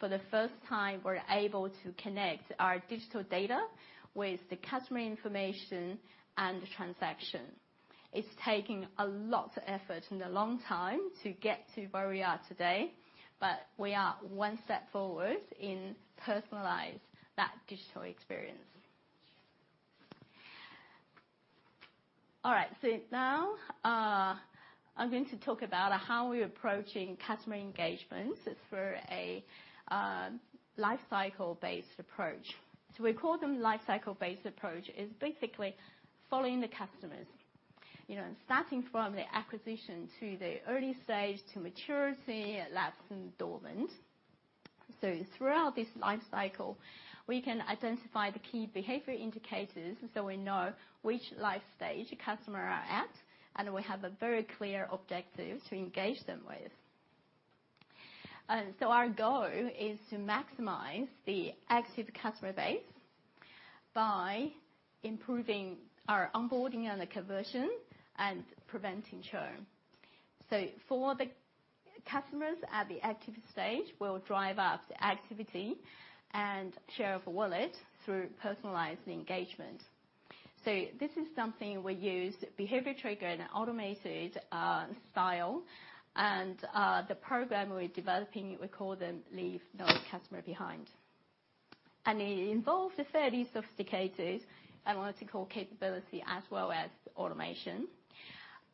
For the first time, we're able to connect our digital data with the customer information and the transaction. It's taking a lot of effort and a long time to get to where we are today, but we are one step forward in personalize that digital experience. All right, now, I'm going to talk about how we're approaching customer engagement through a lifecycle-based approach. We call them lifecycle-based approach, is basically following the customers. You know, starting from the acquisition to the early stage to maturity, lapsed, and dormant. Throughout this lifecycle, we can identify the key behavior indicators, so we know which life stage customer are at, and we have a very clear objective to engage them with. Our goal is to maximize the active customer base by improving our onboarding and the conversion and preventing churn. For the customers at the active stage, we'll drive up the activity and share of wallet through personalized engagement. This is something we use, behavior trigger and automated style, and the program we're developing, we call them Leave No Customer Behind. It involves a fairly sophisticated analytical capability as well as automation.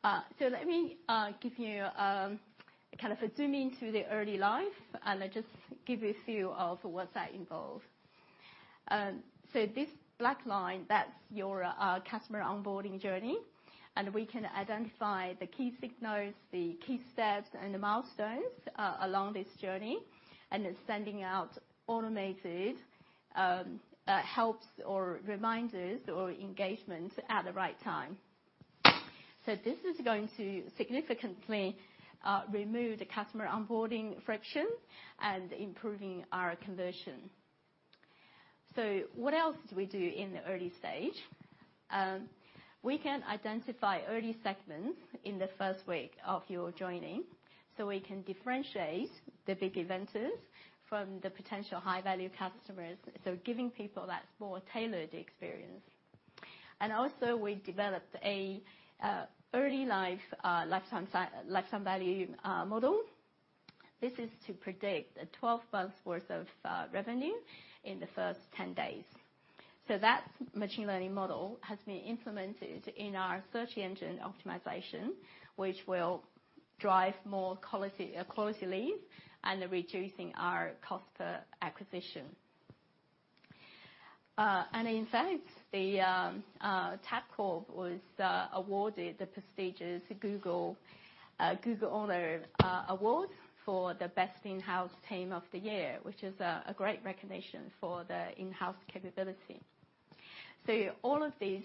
Let me give you kind of a zoom into the early life, and I'll just give you a few of what that involves. This black line, that's your customer onboarding journey, and we can identify the key signals, the key steps, and the milestones along this journey, and then sending out automated helps or reminders or engagement at the right time. This is going to significantly remove the customer onboarding friction and improving our conversion. What else do we do in the early stage? We can identify early segments in the first week of your joining, so we can differentiate the big eventers from the potential high-value customers, so giving people that more tailored experience. Also, we developed a early life lifetime value model. This is to predict a 12-month worth of revenue in the first 10 days. That machine learning model has been implemented in our Search Engine Optimization, which will drive more quality leads and reducing our cost per acquisition. In fact, Tabcorp was awarded the prestigious Google Google Owner Award for the Best In-House Team of the Year, which is a great recognition for the in-house capability. All of these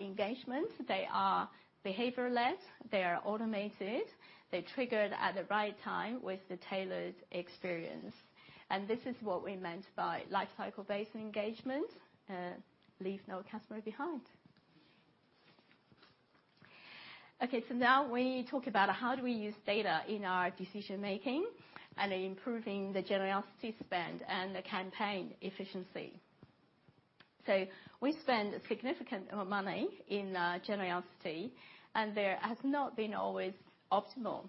engagements, they are behaviorless, they are automated, they're triggered at the right time with the tailored experience. This is what we meant by lifecycle-based engagement, Leave No Customer Behind. Okay, now we talk about how do we use data in our decision making and improving the generosity spend and the campaign efficiency. We spend significant amount of money in generosity, and there has not been always optimal.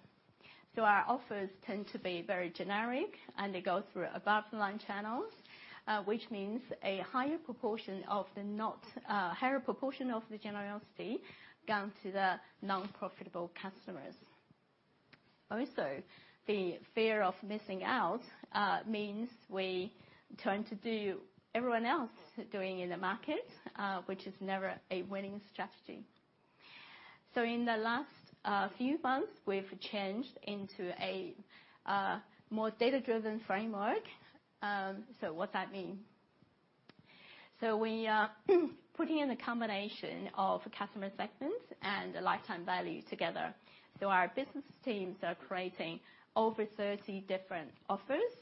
Our offers tend to be very generic, and they go through above-the-line channels, which means a higher proportion of the generosity gone to the non-profitable customers. Also, the fear of missing out means we tend to do everyone else doing in the market, which is never a winning strategy. In the last few months, we've changed into a more data-driven framework. What that mean? We are putting in a combination of customer segments and lifetime value together. Our business teams are creating over 30 different offers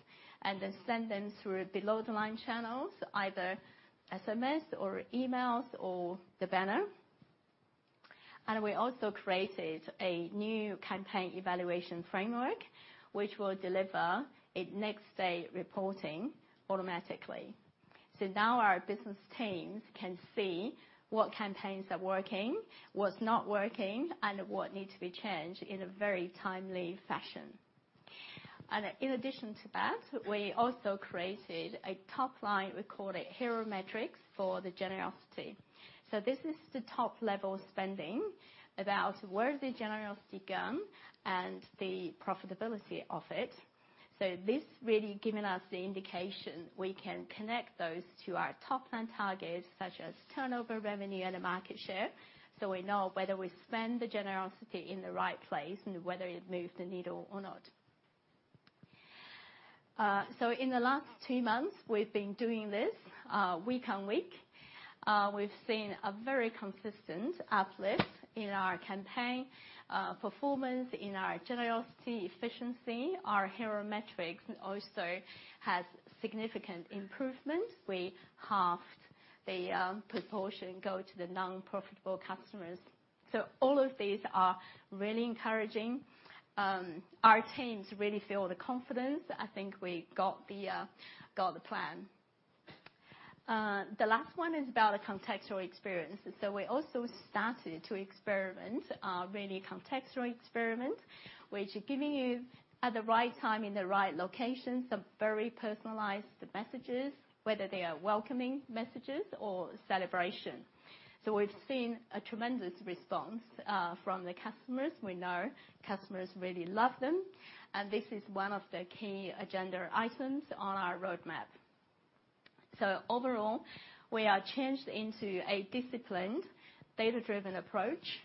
and then send them through below-the-line channels, either SMS or emails or the banner. We also created a new campaign evaluation framework, which will deliver a next-day reporting automatically. Now our business teams can see what campaigns are working, what's not working, and what need to be changed in a very timely fashion. In addition to that, we also created a top line, we call it hero metrics, for the generosity. This is the top-level spending, about where the generosity gone and the profitability of it. This really given us the indication we can connect those to our top-line targets, such as turnover revenue and the market share, so we know whether we spend the generosity in the right place and whether it moves the needle or not. In the last two months, we've been doing this week on week. We've seen a very consistent uplift in our campaign performance, in our generosity, efficiency. Our hero metrics also has significant improvement. We halved the proportion go to the non-profitable customers. All of these are really encouraging. Our teams really feel the confidence. I think we got the plan. The last one is about a contextual experience. We also started to experiment, really contextual experiment, which giving you, at the right time, in the right location, some very personalized messages, whether they are welcoming messages or celebration. We've seen a tremendous response from the customers. We know customers really love them, and this is one of the key agenda items on our roadmap. Overall, we are changed into a disciplined, data-driven approach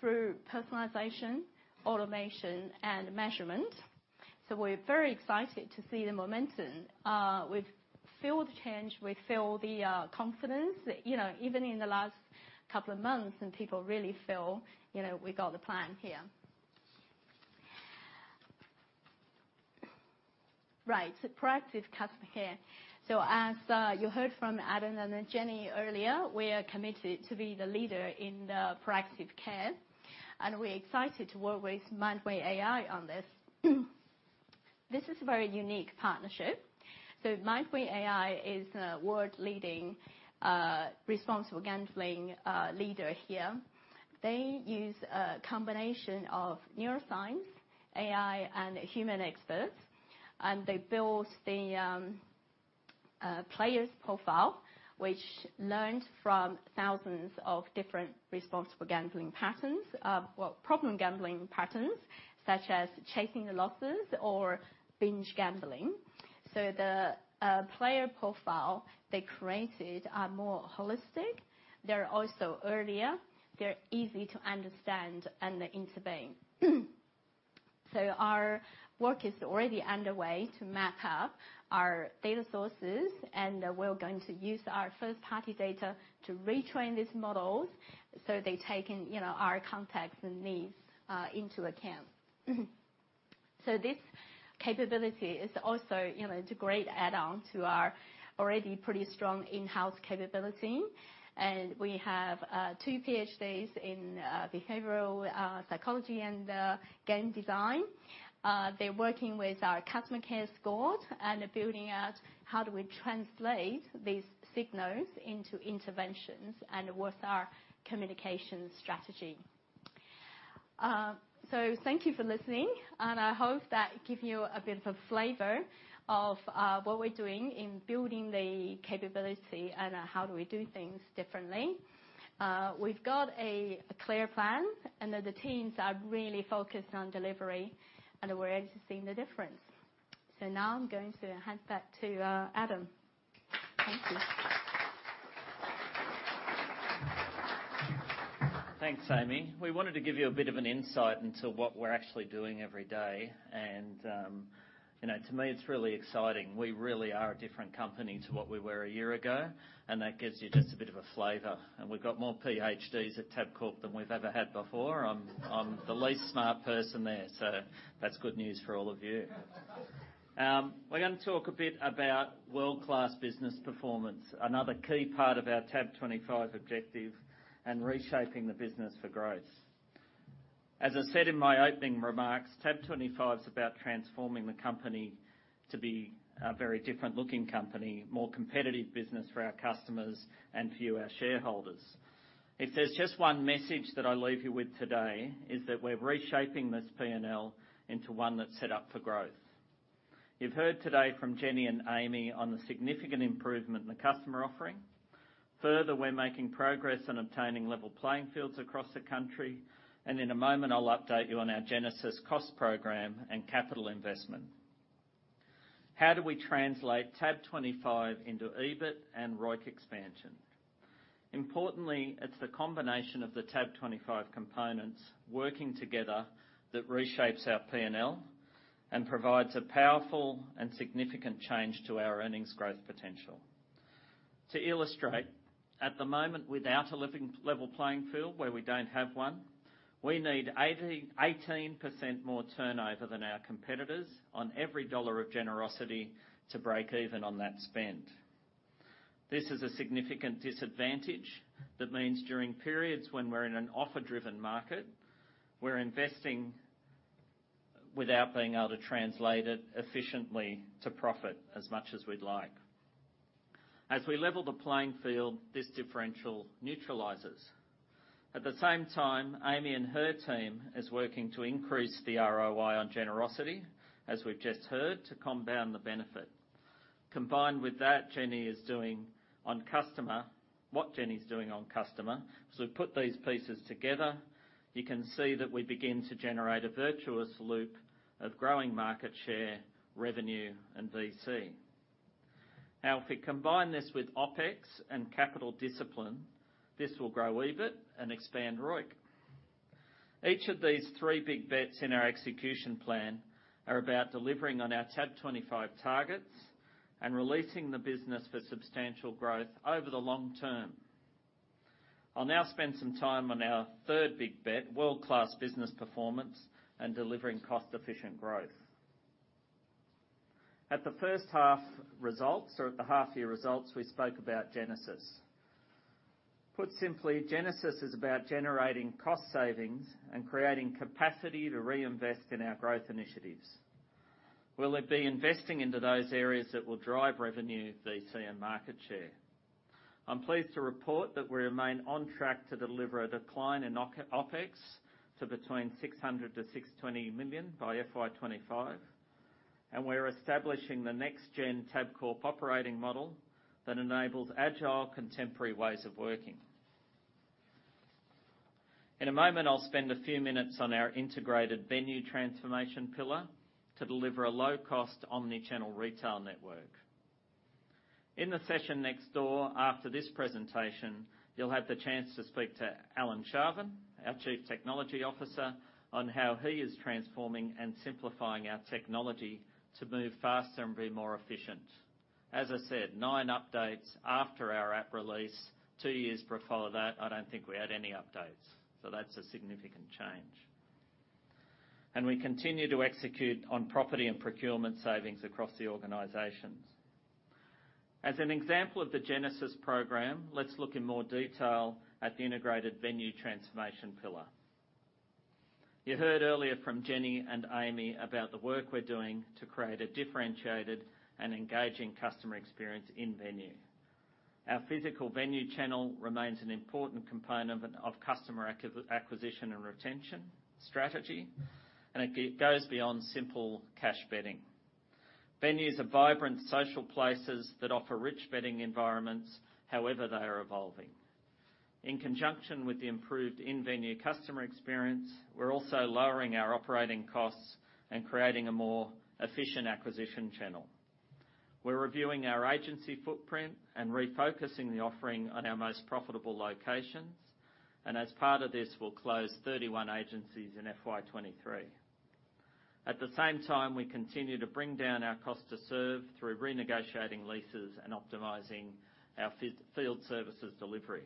through personalization, automation, and measurement. We've feel the change. We feel the confidence, you know, even in the last couple of months, and people really feel, you know, we got the plan here. Right, proactive customer care. As you heard from Adam and then Jenni earlier, we are committed to be the leader in the proactive care, and we're excited to work with Mindway AI on this. This is a very unique partnership. Mindway AI is a world-leading responsible gambling leader here. They use a combination of neuroscience, AI, and human experts, and they build the player's profile, which learned from thousands of different responsible gambling patterns, well, problem gambling patterns, such as chasing the losses or binge gambling. The player profile they created are more holistic. They're also earlier. They're easy to understand and intervene. Our work is already underway to map out our data sources, and we're going to use our first-party data to retrain these models, so they take in our context and needs into account. This capability is also, it's a great add-on to our already pretty strong in-house capability, and we have 2 PhDs in behavioral psychology and game design. They're working with our customer care squad and building out how do we translate these signals into interventions and with our communication strategy. Thank you for listening, and I hope that give you a bit of a flavor of what we're doing in building the capability and how do we do things differently. We've got a clear plan, and the teams are really focused on delivery, and we're already seeing the difference. Now I'm going to hand back to Adam. Thank you. Thanks, Amy. We wanted to give you a bit of an insight into what we're actually doing every day, you know, to me, it's really exciting. We really are a different company to what we were a year ago, that gives you just a bit of a flavor. We've got more PhDs at Tabcorp than we've ever had before. I'm the least smart person there, so that's good news for all of you. We're gonna talk a bit about world-class business performance, another key part of our TAB25 objective and reshaping the business for growth. As I said in my opening remarks, TAB25 is about transforming the company to be a very different-looking company, more competitive business for our customers and for you, our shareholders. If there's just one message that I leave you with today, is that we're reshaping this P&L into one that's set up for growth. You've heard today from Jenni and Amy on the significant improvement in the customer offering. We're making progress on obtaining level playing fields across the country, and in a moment, I'll update you on our Genesis cost program and capital investment. How do we translate TAB25 into EBIT and ROIC expansion? Importantly, it's the combination of the TAB25 components working together that reshapes our P&L and provides a powerful and significant change to our earnings growth potential. To illustrate, at the moment, without a level playing field, where we don't have one, we need 18% more turnover than our competitors on every AUD of generosity to break even on that spend. This is a significant disadvantage that means during periods when we're in an offer-driven market, we're investing without being able to translate it efficiently to profit as much as we'd like. As we level the playing field, this differential neutralizes. At the same time, Amy and her team is working to increase the ROI on generosity, as we've just heard, to compound the benefit. Combined with that, Jenni is doing on customer, what Jenni's doing on customer. We've put these pieces together, you can see that we begin to generate a virtuous loop of growing market share, revenue, and VC. If we combine this with OpEx and capital discipline, this will grow EBIT and expand ROIC. Each of these three big bets in our execution plan are about delivering on our TAB25 targets and releasing the business for substantial growth over the long term. I'll now spend some time on our third big bet, world-class business performance and delivering cost-efficient growth. At the first-half results, or at the half-year results, we spoke about Genesis. Put simply, Genesis is about generating cost savings and creating capacity to reinvest in our growth initiatives. Will it be investing into those areas that will drive revenue, VC, and market share? I'm pleased to report that we remain on track to deliver a decline in OpEx to between 600-620 million by FY 2025, and we're establishing the next-gen Tabcorp operating model that enables agile, contemporary ways of working. In a moment, I'll spend a few minutes on our integrated venue transformation pillar to deliver a low-cost, omni-channel retail network. In the session next door, after this presentation, you'll have the chance to speak to Alan Sharvin, our Chief Technology Officer, on how he is transforming and simplifying our technology to move faster and be more efficient. As I said, nine updates after our app release, two years before that, I don't think we had any updates, so that's a significant change. We continue to execute on property and procurement savings across the organizations. As an example of the Genesis program, let's look in more detail at the integrated venue transformation pillar. You heard earlier from Jenni and Amy Shi-Nash about the work we're doing to create a differentiated and engaging customer experience in venue. Our physical venue channel remains an important component of customer acquisition and retention strategy, and it goes beyond simple cash betting. Venues are vibrant, social places that offer rich betting environments, however, they are evolving. In conjunction with the improved in-venue customer experience, we're also lowering our operating costs and creating a more efficient acquisition channel. We're reviewing our agency footprint and refocusing the offering on our most profitable locations, and as part of this, we'll close 31 agencies in FY 2023. At the same time, we continue to bring down our cost to serve through renegotiating leases and optimizing our field services delivery.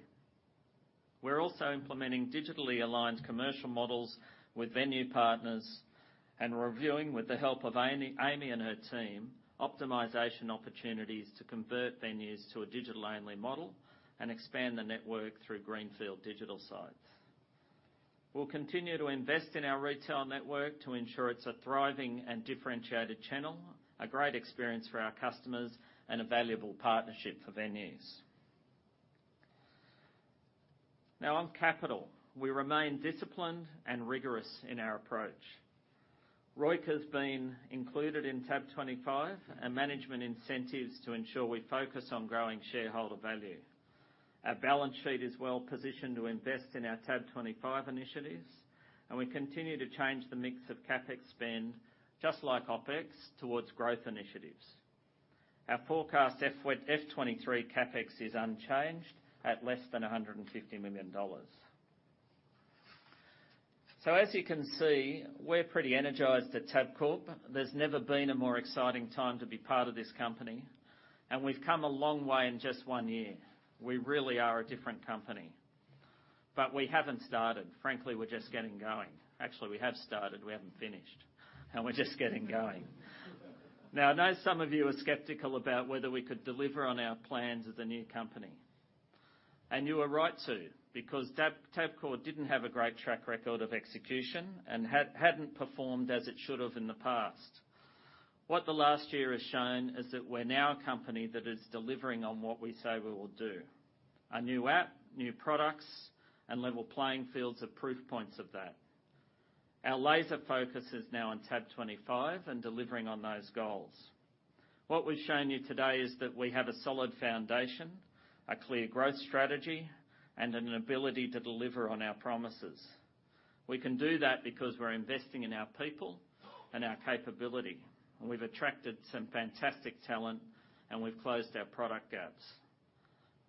We're also implementing digitally aligned commercial models with venue partners and reviewing, with the help of Amy and her team, optimization opportunities to convert venues to a digital-only model and expand the network through greenfield digital sites. We'll continue to invest in our retail network to ensure it's a thriving and differentiated channel, a great experience for our customers, and a valuable partnership for venues. On capital, we remain disciplined and rigorous in our approach. ROIC has been included in TAB25, management incentives to ensure we focus on growing shareholder value. Our balance sheet is well positioned to invest in our TAB25 initiatives, we continue to change the mix of CapEx spend, just like OpEx, towards growth initiatives. Our forecast FY 2023 CapEx is unchanged at less than 150 million dollars. As you can see, we're pretty energized at Tabcorp. There's never been a more exciting time to be part of this company, we've come a long way in just one year. We really are a different company, we haven't started. Frankly, we're just getting going. Actually, we have started, we haven't finished, we're just getting going. I know some of you are skeptical about whether we could deliver on our plans as a new company. You were right to, because Tabcorp didn't have a great track record of execution and hadn't performed as it should have in the past. What the last year has shown is that we're now a company that is delivering on what we say we will do. A new app, new products, and level playing fields are proof points of that. Our laser focus is now on TAB25 and delivering on those goals. What we've shown you today is that we have a solid foundation, a clear growth strategy, and an ability to deliver on our promises. We can do that because we're investing in our people and our capability. We've attracted some fantastic talent. We've closed our product gaps.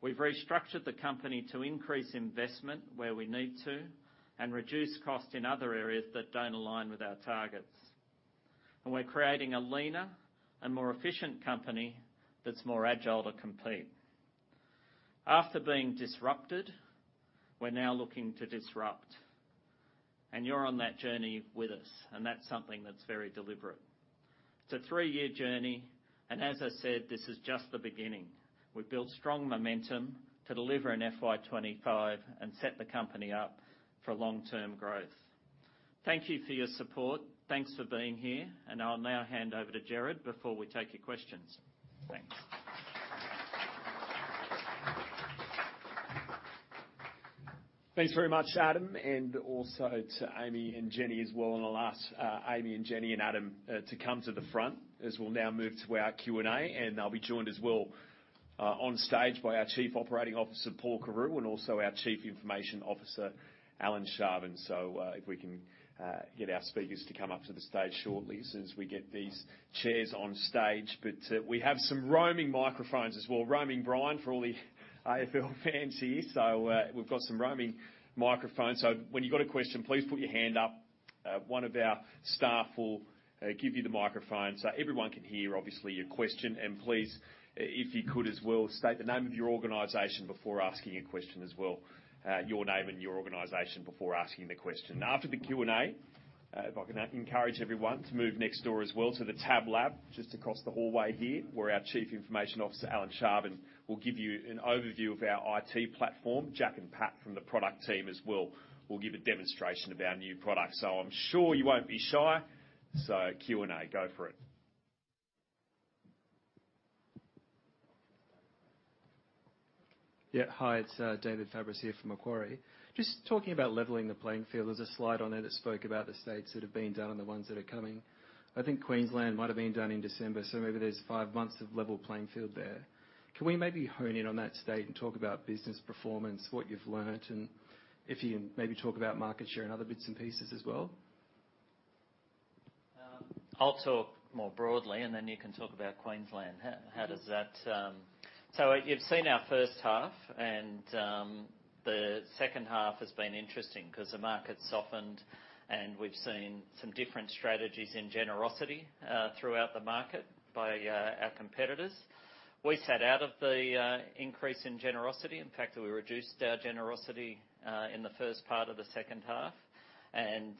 We've restructured the company to increase investment where we need to and reduce costs in other areas that don't align with our targets. We're creating a leaner and more efficient company that's more agile to compete. After being disrupted, we're now looking to disrupt, and you're on that journey with us, and that's something that's very deliberate. It's a three-year journey, and as I said, this is just the beginning. We've built strong momentum to deliver in FY 2025 and set the company up for long-term growth. Thank you for your support. Thanks for being here, and I'll now hand over to Gerard before we take your questions. Thanks. Thanks very much, Adam, and also to Amy and Jenni as well. I'll ask Amy and Jenni and Adam to come to the front, as we'll now move to our Q&A, and I'll be joined as well, on stage by our Chief Operating Officer Paul Carew, and also our Chief Information Officer Alan Sharvin. If we can get our speakers to come up to the stage shortly as we get these chairs on stage. We have some roaming microphones as well. Roaming Brian, for all the AFL fans here. We've got some roaming microphones, so when you've got a question, please put your hand up. One of our staff will give you the microphone so everyone can hear, obviously, your question. Please, if you could, as well, state the name of your organization before asking a question as well. Your name and your organization before asking the question. After the Q&A, if I can encourage everyone to move next door as well to the TABlab, just across the hallway here, where our Chief Information Officer, Alan Sharvin, will give you an overview of our IT platform. Jack and Pat from the product team as well, will give a demonstration of our new product. I'm sure you won't be shy. Q&A, go for it. Hi, it's David Fabris here from Macquarie. Just talking about leveling the playing field, there's a slide on there that spoke about the states that have been done and the ones that are coming. I think Queensland might have been done in December, so maybe there's five months of level playing field there. Can we maybe hone in on that state and talk about business performance, what you've learned, and if you can maybe talk about market share and other bits and pieces as well? I'll talk more broadly, and then you can talk about Queensland. How, how does that? You've seen our first half, and the second half has been interesting 'cause the market softened, and we've seen some different strategies in generosity throughout the market by our competitors. We sat out of the increase in generosity. In fact, we reduced our generosity in the first part of the second half, and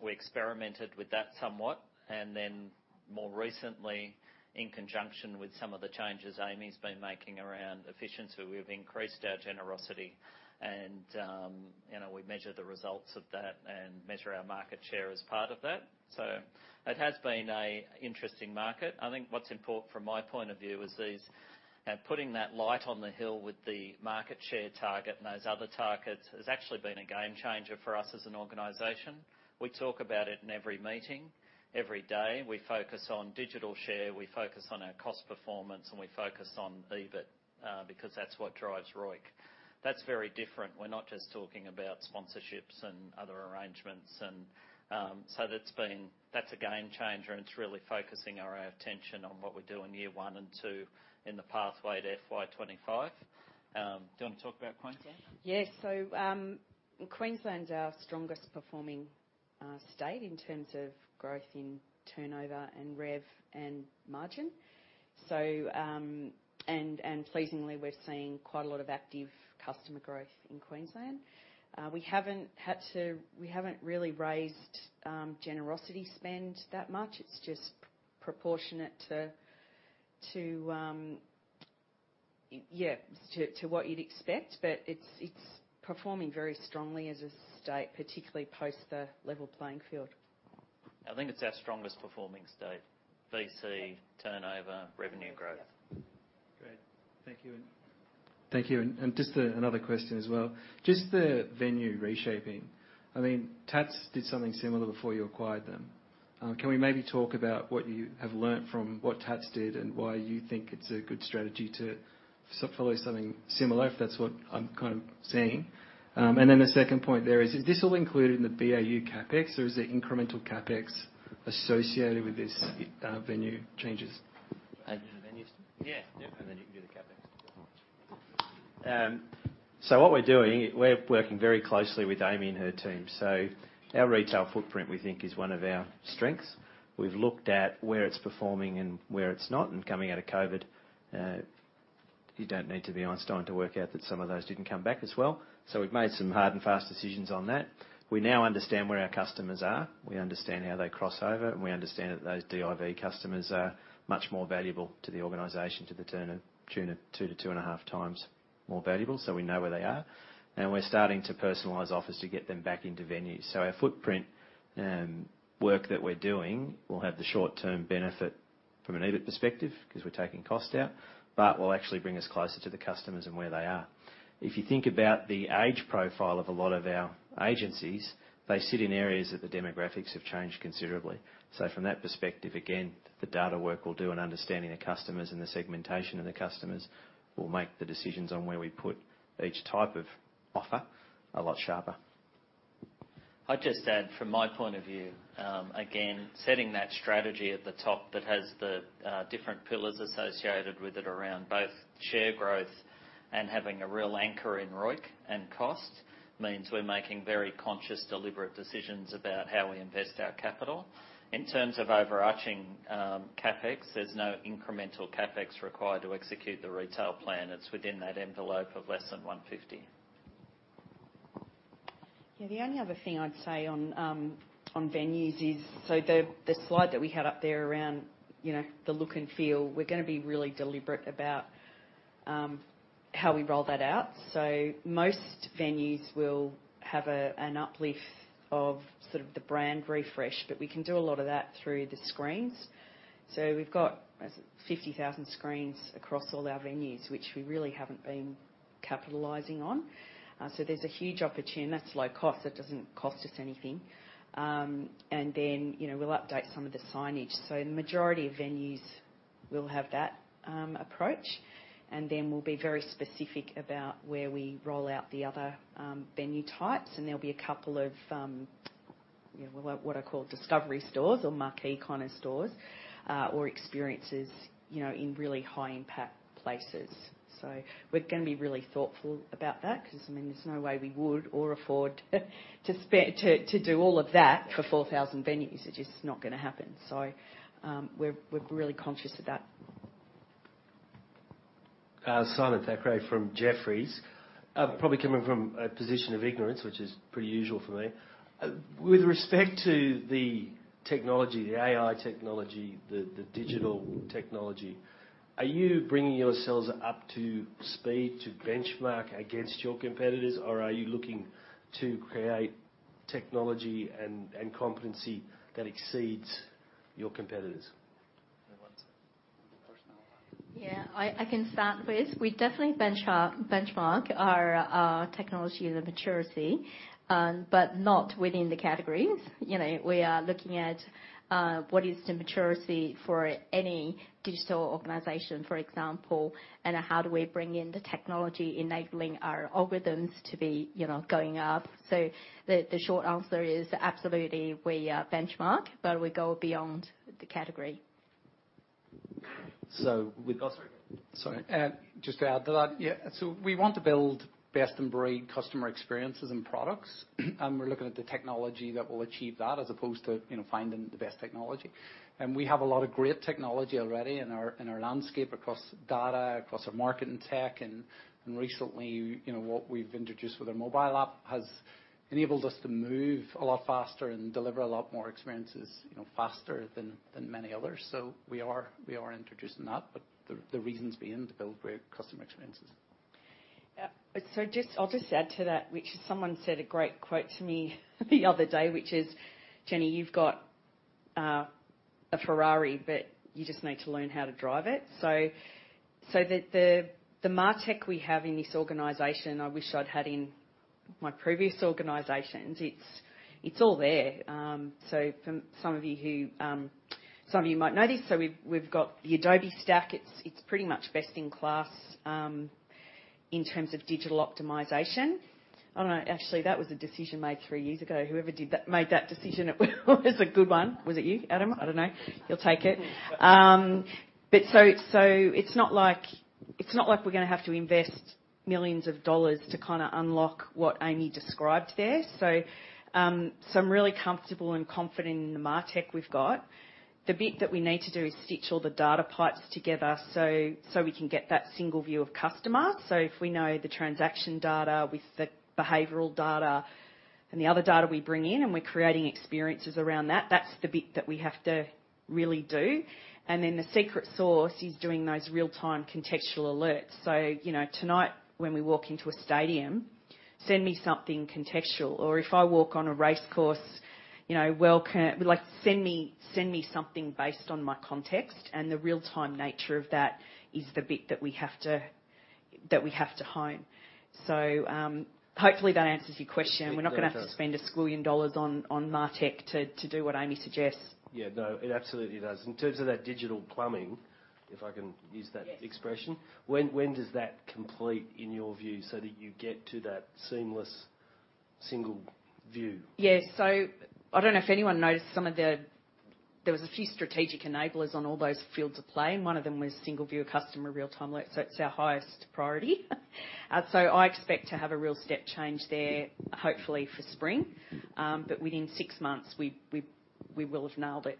we experimented with that somewhat, and then more recently, in conjunction with some of the changes Amy's been making around efficiency, we've increased our generosity, and, you know, we measure the results of that and measure our market share as part of that. It has been a interesting market. I think what's important from my point of view, is these, putting that light on the hill with the market share target and those other targets, has actually been a game changer for us as an organization. We talk about it in every meeting, every day. We focus on digital share, we focus on our cost performance, and we focus on EBIT, because that's what drives ROIC. That's very different. We're not just talking about sponsorships and other arrangements, and, so that's a game changer, and it's really focusing our attention on what we do in year one and two in the pathway to FY 2025. Do you want to talk about Queensland? Yes. Queensland's our strongest performing state in terms of growth in turnover and rev and margin. Pleasingly, we're seeing quite a lot of active customer growth in Queensland. We haven't really raised generosity spend that much. It's just proportionate to what you'd expect, but it's performing very strongly as a state, particularly post the level playing field. I think it's our strongest performing state, BC, turnover, revenue growth. Great. Thank you, and just another question as well. Just the venue reshaping. I mean, Tatts did something similar before you acquired them. Can we maybe talk about what you have learned from what Tatts did, and why you think it's a good strategy to follow something similar, if that's what I'm kind of seeing? The second point there is this all included in the BAU CapEx, or is there incremental CapEx associated with this, venue changes? Venues? Yep, you can do the CapEx. What we're doing, we're working very closely with Amy and her team. Our retail footprint, we think, is one of our strengths. We've looked at where it's performing and where it's not, coming out of COVID, you don't need to be Einstein to work out that some of those didn't come back as well. We've made some hard and fast decisions on that. We now understand where our customers are, we understand how they cross over, and we understand that those DIV customers are much more valuable to the organization, to the tune of 2 to 2 and a half times more valuable, so we know where they are. We're starting to personalize offers to get them back into venues. Our footprint, work that we're doing will have the short-term benefit from an EBIT perspective, 'cause we're taking cost out, but will actually bring us closer to the customers and where they are. If you think about the age profile of a lot of our agencies, they sit in areas that the demographics have changed considerably. From that perspective, again, the data work we'll do and understanding the customers and the segmentation of the customers, will make the decisions on where we put each type of offer a lot sharper. I'd just add from my point of view, again, setting that strategy at the top, that has the different pillars associated with it, around both share growth and having a real anchor in ROIC and cost, means we're making very conscious, deliberate decisions about how we invest our capital. In terms of overarching, CapEx, there's no incremental CapEx required to execute the retail plan. It's within that envelope of less than 150. The only other thing I'd say on venues is, the slide that we had up there around, you know, the look and feel, we're going to be really deliberate about how we roll that out. Most venues will have an uplift of sort of the brand refresh, but we can do a lot of that through the screens. We've got 50,000 screens across all our venues, which we really haven't been capitalizing on. There's a huge opportunity, and that's low cost. It doesn't cost us anything. You know, we'll update some of the signage. The majority of venues will have that approach, and then we'll be very specific about where we roll out the other venue types, and there'll be a couple of, you know, what I call discovery stores or marquee kind of stores, or experiences, you know, in really high impact places. We're gonna be really thoughtful about that, 'cause, I mean, there's no way we would or afford to do all of that for 4,000 venues. It's just not gonna happen. We're really conscious of that. Simon Thackray from Jefferies. I'm probably coming from a position of ignorance, which is pretty usual for me. With respect to the technology, the AI technology, the digital technology, are you bringing yourselves up to speed to benchmark against your competitors, or are you looking to create technology and competency that exceeds your competitors? Yeah, I can start with. We definitely benchmark our technology as a maturity, but not within the categories. You know, we are looking at, what is the maturity for any digital organization, for example, and how do we bring in the technology enabling our algorithms to be, you know, going up? The short answer is, absolutely, we benchmark, but we go beyond the category. Sorry, just to add to that. We want to build best-in-breed customer experiences and products, and we're looking at the technology that will achieve that, as opposed to, you know, finding the best technology. We have a lot of great technology already in our landscape across data, across our marketing tech, and recently, you know, what we've introduced with our mobile app has enabled us to move a lot faster and deliver a lot more experiences, you know, faster than many others. We are introducing that, but the reason's being to build great customer experiences. I'll just add to that, which is, someone said a great quote to me the other day, which is, "Jenni, you've got a Ferrari, but you just need to learn how to drive it." The martech we have in this organization, I wish I'd had in my previous organizations, it's all there. For some of you might know this, we've got the Adobe stack. It's, it's pretty much best-in-class in terms of digital optimization. I don't know, actually, that was a decision made 3 years ago. Whoever did that, made that decision, it was a good one. Was it you, Adam? I don't know. He'll take it. It's not like we're gonna have to invest millions of dollars to kind of unlock what Amy described there. I'm really comfortable and confident in the martech we've got. The bit that we need to do is stitch all the data pipes together, so we can get that single view of customer. If we know the transaction data with the behavioral data and the other data we bring in, and we're creating experiences around that's the bit that we have to really do. The secret sauce is doing those real-time contextual alerts. You know, tonight, when we walk into a stadium, send me something contextual. If I walk on a race course, you know, welcome... Like, send me something based on my context, the real-time nature of that is the bit that we have to hone. Hopefully, that answers your question. Yeah, it does. We're not gonna have to spend a squillion AUD on martech to do what Amy suggests. Yeah, no, it absolutely does. In terms of that digital plumbing, if I can use that. Yes. -expression, when does that complete, in your view, so that you get to that seamless single view? I don't know if anyone noticed some of the. There was a few strategic enablers on all those fields of play. One of them was single view of customer real-time. It's our highest priority. I expect to have a real step change there, hopefully for spring, within six months, we will have nailed it.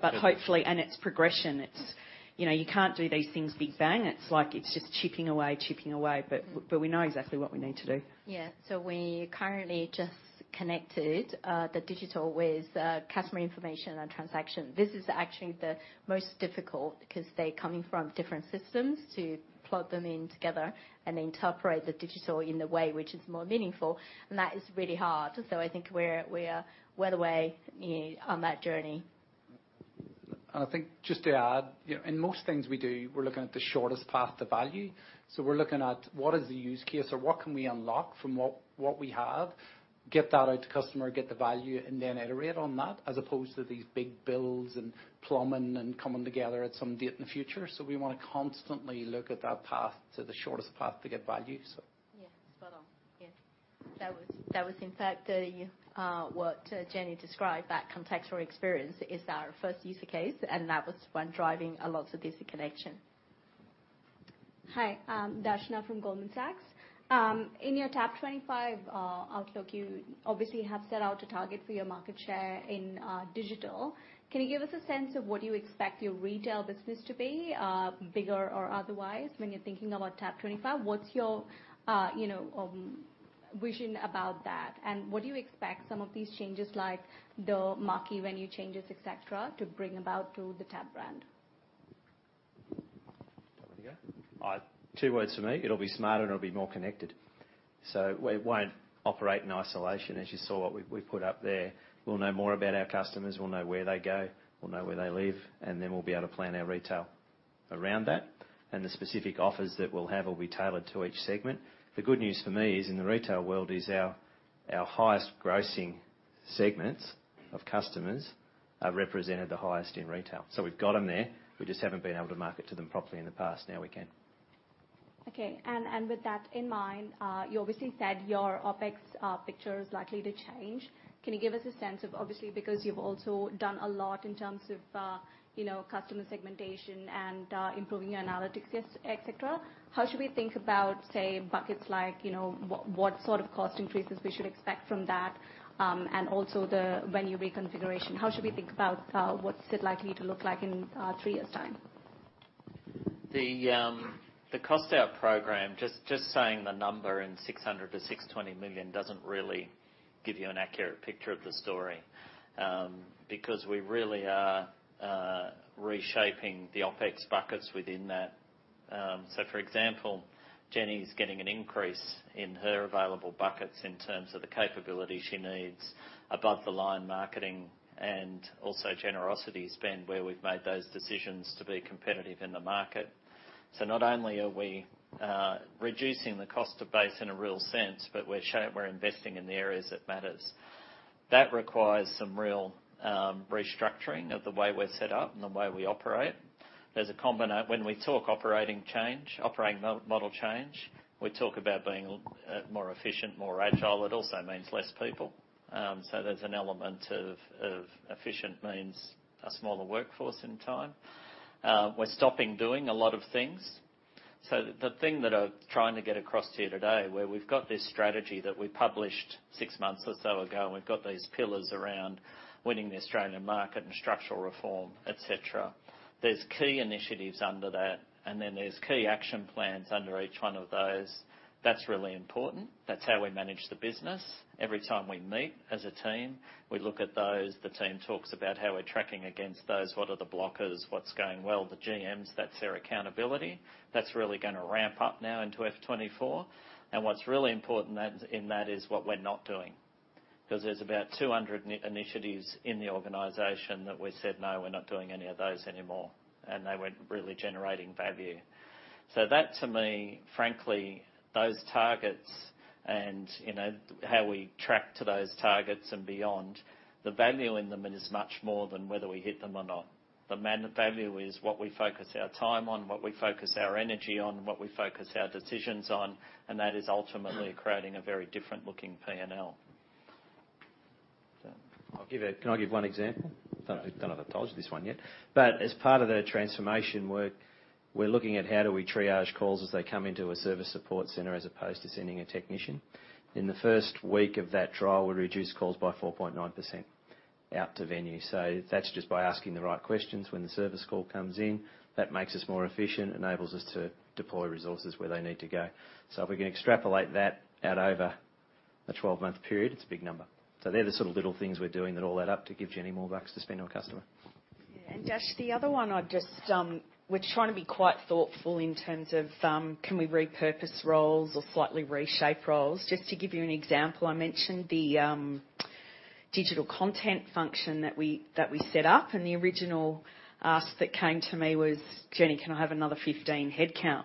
Hopefully. It's progression. It's, you know, you can't do these things big bang. It's like, it's just chipping away, but we know exactly what we need to do. Yeah. we currently just connected the digital with customer information and transaction. This is actually the most difficult, because they're coming from different systems, to plug them in together and interpret the digital in a way which is more meaningful, and that is really hard. I think we're the way on that journey. I think, just to add, you know, in most things we do, we're looking at the shortest path to value. We're looking at what is the use case or what can we unlock from what we have, get that out to customer, get the value, and then iterate on that, as opposed to these big builds and plumbing and coming together at some date in the future. We want to constantly look at that path to the shortest path to get value. Yeah, spot on. Yeah. That was in fact the what Jenni described, that contextual experience is our first user case, and that was what driving a lot of this connection. Hi, Darshana from Goldman Sachs. In your TAB25 outlook, you obviously have set out a target for your market share in digital. Can you give us a sense of what you expect your retail business to be bigger or otherwise, when you're thinking about TAB25? What's your, you know, vision about that? What do you expect some of these changes, like the marquee venue changes, et cetera, to bring about to the TAB brand? Do you want me to go? Two words for me: it'll be smarter, and it'll be more connected. We won't operate in isolation, as you saw what we put up there. We'll know more about our customers, we'll know where they go, we'll know where they live, we'll be able to plan our retail around that, and the specific offers that we'll have will be tailored to each segment. The good news for me is, in the retail world, is our highest grossing segments of customers are represented the highest in retail. We've got them there. We just haven't been able to market to them properly in the past. Now we can. Okay, with that in mind, you obviously said your OpEx picture is likely to change. Can you give us a sense of? Obviously, because you've also done a lot in terms of, you know, customer segmentation and improving your analytics, et cetera. How should we think about, say, buckets like, you know, what sort of cost increases we should expect from that, and also the venue reconfiguration? How should we think about what's it likely to look like in 3 years' time? The cost out program, just saying the number in 600 to 620 million doesn't really give you an accurate picture of the story. Because we really are reshaping the OpEx buckets within that. For example, Jenni's getting an increase in her available buckets in terms of the capability she needs above-the-line marketing and also generosity spend, where we've made those decisions to be competitive in the market. Not only are we reducing the cost of base in a real sense, but we're showing we're investing in the areas that matters. That requires some real restructuring of the way we're set up and the way we operate. There's a when we talk operating change, operating model change, we talk about being more efficient, more agile. It also means less people. There's an element of efficient means a smaller workforce in time. We're stopping doing a lot of things. The thing that I'm trying to get across to you today, where we've got this strategy that we published 6 months or so ago, and we've got these pillars around winning the Australian market and structural reform, et cetera. There's key initiatives under that, and then there's key action plans under each one of those. That's really important. That's how we manage the business. Every time we meet as a team, we look at those. The team talks about how we're tracking against those, what are the blockers, what's going well. The GMs, that's their accountability. That's really going to ramp up now into FY 2024. What's really important in that is what we're not doing. There's about 200 initiatives in the organization that we said, "No, we're not doing any of those anymore," and they weren't really generating value. That, to me, frankly, those targets and, you know, how we track to those targets and beyond, the value in them is much more than whether we hit them or not. The value is what we focus our time on, what we focus our energy on, what we focus our decisions on, and that is ultimately creating a very different looking P&L. Can I give one example? Sure. I don't think I've told you this one yet. As part of the transformation work, we're looking at how do we triage calls as they come into a service support center, as opposed to sending a technician. In the first week of that trial, we reduced calls by 4.9% out to venue. That's just by asking the right questions when the service call comes in. That makes us more efficient, enables us to deploy resources where they need to go. If we can extrapolate that out over a 12-month period, it's a big number. They're the sort of little things we're doing that all add up to give Jenni more bucks to spend on customer. Dash, the other one I'd just. We're trying to be quite thoughtful in terms of, can we repurpose roles or slightly reshape roles? Just to give you an example, I mentioned the digital content function that we set up, and the original ask that came to me was, "Jenni, can I have another 15 headcount?"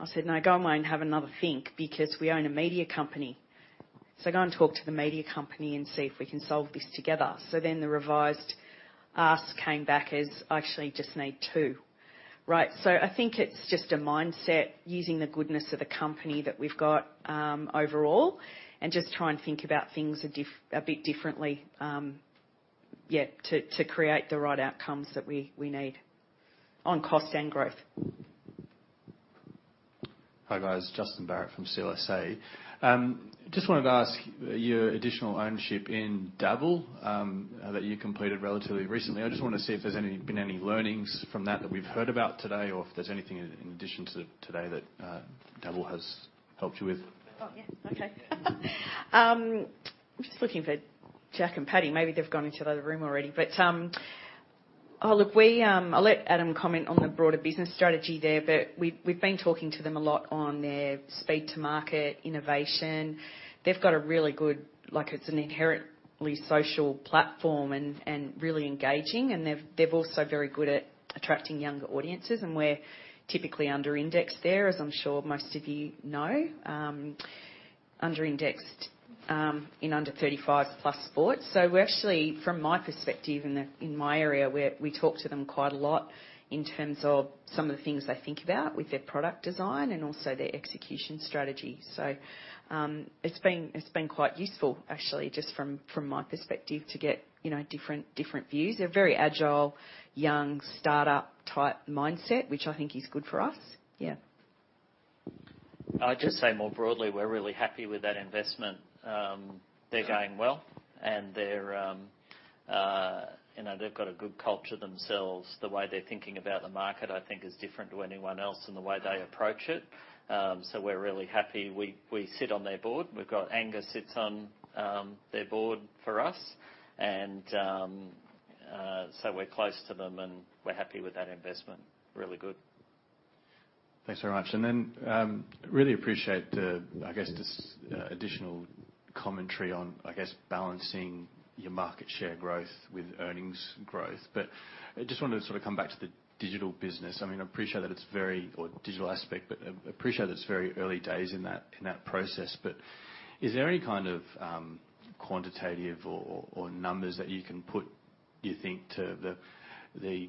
I said, "No, go away and have another think, because we own a media company. Go and talk to the media company and see if we can solve this together." The revised ask came back as, "I actually just need 2." Right. I think it's just a mindset, using the goodness of the company that we've got, overall, and just try and think about things a bit differently, yeah, to create the right outcomes that we need on cost and growth. Hi, guys, Justin Barratt from CLSA. Just wanted to ask your additional ownership in Dabble that you completed relatively recently. I just want to see if there's any learnings from that we've heard about today, or if there's anything in addition to today that Dabble has helped you with. Oh, yes. Okay. I'm just looking for Jack and Patty. Maybe they've gone into the other room already, but, I'll let Adam comment on the broader business strategy there, but we've been talking to them a lot on their speed to market, innovation. They've got a really good. Like, it's an inherently social platform and really engaging, and they've also very good at attracting younger audiences, and we're typically under indexed there, as I'm sure most of you know. Under indexed in under 35 plus sports. We're actually, from my perspective, in my area, we talk to them quite a lot in terms of some of the things they think about with their product design and also their execution strategy. It's been quite useful, actually, just from my perspective, to get, you know, different views. They're very agile, young, startup-type mindset, which I think is good for us. Yeah. I'd just say more broadly, we're really happy with that investment. They're going well, and they're, you know, they've got a good culture themselves. The way they're thinking about the market, I think, is different to anyone else in the way they approach it. We're really happy. We sit on their board. Angus sits on their board for us, and we're close to them, and we're happy with that investment. Really good. Thanks very much. Really appreciate the, I guess, just additional commentary on, I guess, balancing your market share growth with earnings growth. I just wanted to sort of come back to the digital business. I mean, I appreciate that it's very or digital aspect, but appreciate that it's very early days in that process. Is there any kind of quantitative or numbers that you can put, you think, to the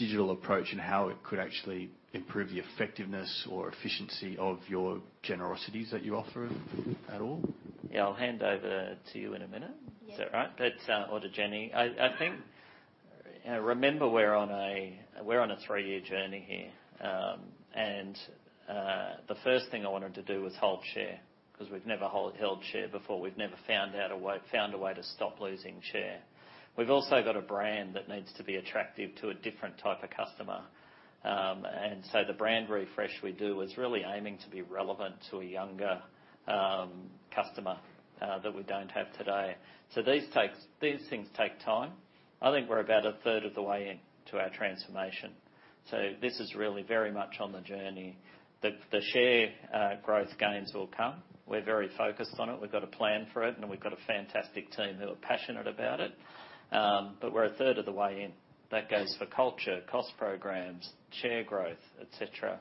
digital approach and how it could actually improve the effectiveness or efficiency of your Generosities that you offer at all? Yeah, I'll hand over to you in a minute. Yeah. Is that right? That's to Jenni. I think, remember, we're on a three-year journey here. The first thing I wanted to do was hold share, 'cause we've never held share before. We've never found a way to stop losing share. We've also got a brand that needs to be attractive to a different type of customer. The brand refresh we do is really aiming to be relevant to a younger customer that we don't have today. These things take time. I think we're about a third of the way in to our transformation, this is really very much on the journey. The share growth gains will come. We're very focused on it. We've got a plan for it, and we've got a fantastic team who are passionate about it. We're a third of the way in. That goes for culture, cost programs, share growth, et cetera.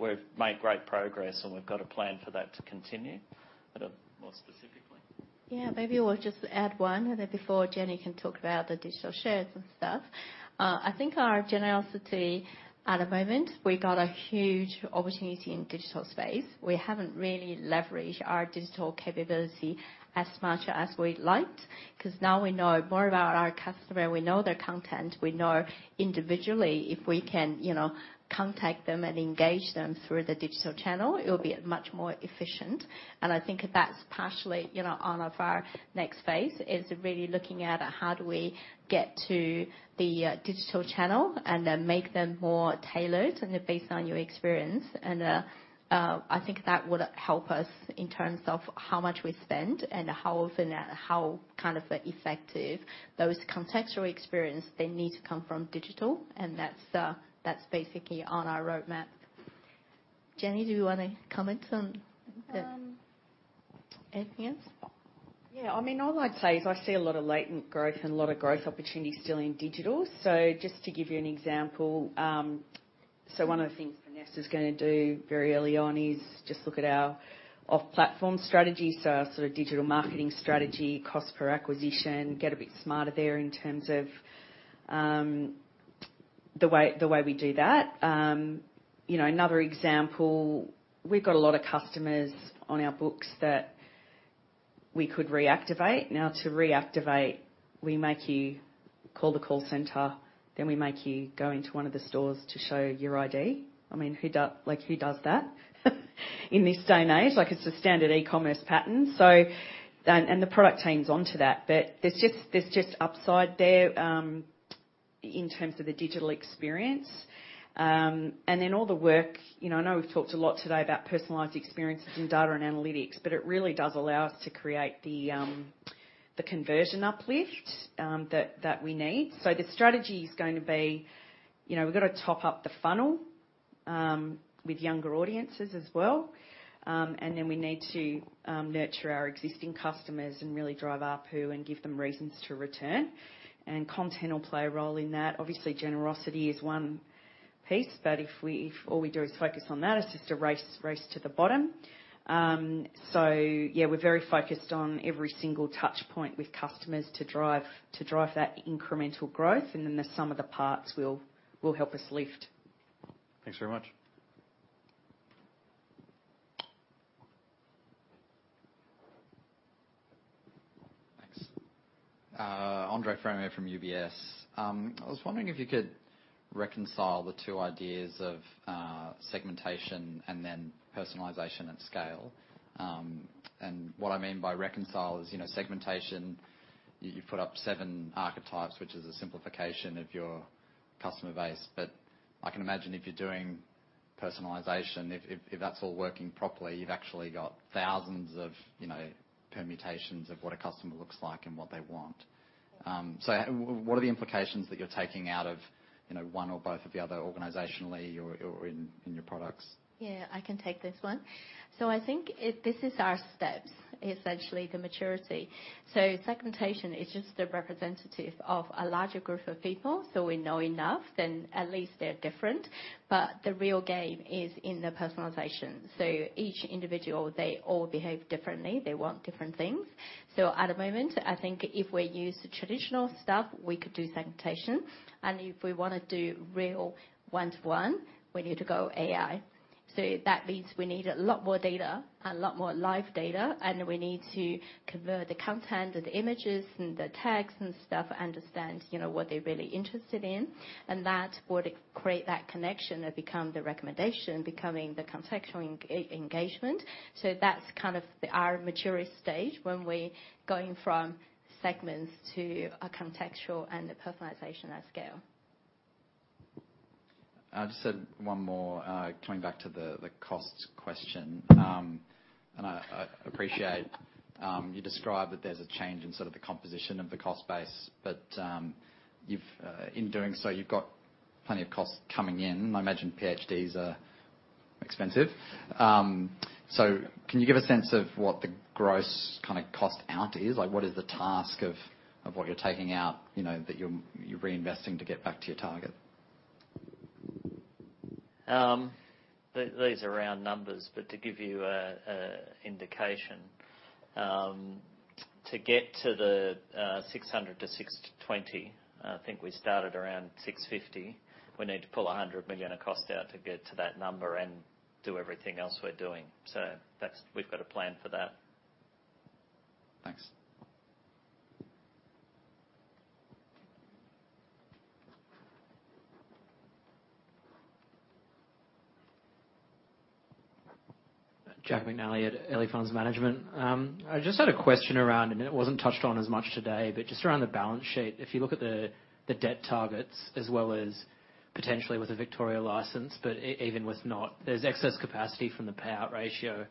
We've made great progress, and we've got a plan for that to continue. Adam, more specifically? Yeah, maybe we'll just add one, then before Jenni can talk about the digital shares and stuff. I think our generosity, at the moment, we got a huge opportunity in digital space. We haven't really leveraged our digital capability as much as we'd liked, 'cause now we know more about our customer, we know their content, we know individually, if we can, you know, contact them and engage them through the digital channel, it'll be much more efficient. I think that's partially, you know, on of our next phase, is really looking at how do we get to the digital channel and make them more tailored and based on your experience. I think that would help us in terms of how much we spend and how often and how kind of effective those contextual experience they need to come from digital, and that's basically on our roadmap. Jenni, do you want to comment on the- Um- Anything else? Yeah. I mean, all I'd say is I see a lot of latent growth and a lot of growth opportunities still in digital. Just to give you an example, so one of the things Vanessa is gonna do very early on is just look at our off-platform strategy, so our sort of digital marketing strategy, cost per acquisition, get a bit smarter there in terms of the way we do that. You know, another example, we've got a lot of customers on our books that we could reactivate. Now, to reactivate, we make you call the call center, then we make you go into one of the stores to show your ID. I mean, like, who does that? In this day and age? Like, it's a standard e-commerce pattern. The product team's onto that, but there's just upside there, in terms of the digital experience. Then all the work, you know, I know we've talked a lot today about personalized experiences in data and analytics, but it really does allow us to create the conversion uplift that we need. The strategy is going to be, you know, we've got to top up the funnel with younger audiences as well. Then we need to nurture our existing customers and really drive up who and give them reasons to return. Content will play a role in that. Obviously, generosity is one piece, but if we, if all we do is focus on that, it's just a race to the bottom. Yeah, we're very focused on every single touch point with customers to drive that incremental growth, and then the sum of the parts will help us lift. Thanks very much. Thanks. Andre Fromyhr from UBS. I was wondering if you could reconcile the two ideas of segmentation and then personalization at scale. What I mean by reconcile is, you know, segmentation, you put up seven archetypes, which is a simplification of your customer base. I can imagine if you're doing personalization, if, if that's all working properly, you've actually got thousands of, you know, permutations of what a customer looks like and what they want. What are the implications that you're taking out of, you know, one or both of the other, organizationally or in your products? Yeah, I can take this one. I think this is our steps, essentially, the maturity. Segmentation is just a representative of a larger group of people, so we know enough, then at least they're different. The real game is in the personalization. Each individual, they all behave differently. They want different things. At the moment, I think if we use the traditional stuff, we could do segmentation, and if we wanna do real one-to-one, we need to go AI. That means we need a lot more data and a lot more live data, and we need to convert the content and the images and the text and stuff, understand, you know, what they're really interested in, and that would create that connection and become the recommendation, becoming the contextual engagement. That's kind of the, our mature stage, when we're going from segments to a contextual and a personalization at scale. Just one more, coming back to the costs question. I appreciate you described that there's a change in sort of the composition of the cost base. In doing so, you've got plenty of costs coming in. I imagine PhDs are expensive. Can you give a sense of what the gross kind of cost out is? Like, what is the task of what you're taking out, you know, that you're reinvesting to get back to your target? These are round numbers, but to give you a indication, to get to the 600-620, I think we started around 650, we need to pull 100 million of cost out to get to that number and do everything else we're doing. That's we've got a plan for that. Thanks. Jack McNally at Ellerston Capital. I just had a question around, and it wasn't touched on as much today, but just around the balance sheet. If you look at the debt targets as well as potentially with the Victoria license, but even with not, there's excess capacity from the payout ratio,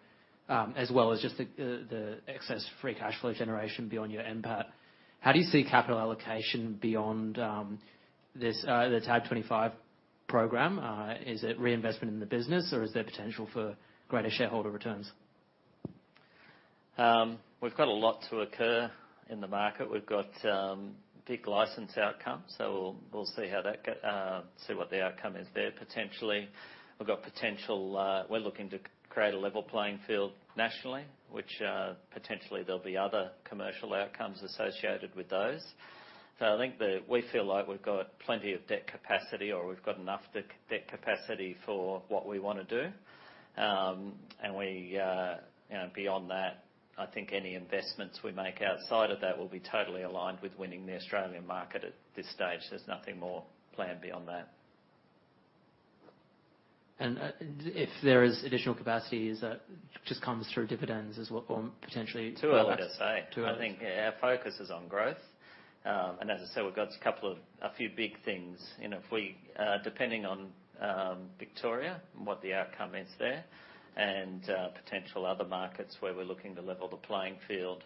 as well as just the excess free cash flow generation beyond your NPAT. How do you see capital allocation beyond this the TAB25 program? Is it reinvestment in the business, or is there potential for greater shareholder returns? We've got a lot to occur in the market. We've got big license outcomes, so we'll see how that go, see what the outcome is there. Potentially, we've got potential. We're looking to create a level playing field nationally, which potentially there'll be other commercial outcomes associated with those. I think that we feel like we've got plenty of debt capacity, or we've got enough debt capacity for what we want to do. And we, you know, beyond that, I think any investments we make outside of that will be totally aligned with winning the Australian market at this stage. There's nothing more planned beyond that. If there is additional capacity, is that just comes through dividends as well, or? Too early to say. Too early. I think our focus is on growth. As I said, we've got a few big things. You know, if we, depending on Victoria, and what the outcome is there, and potential other markets where we're looking to level the playing field,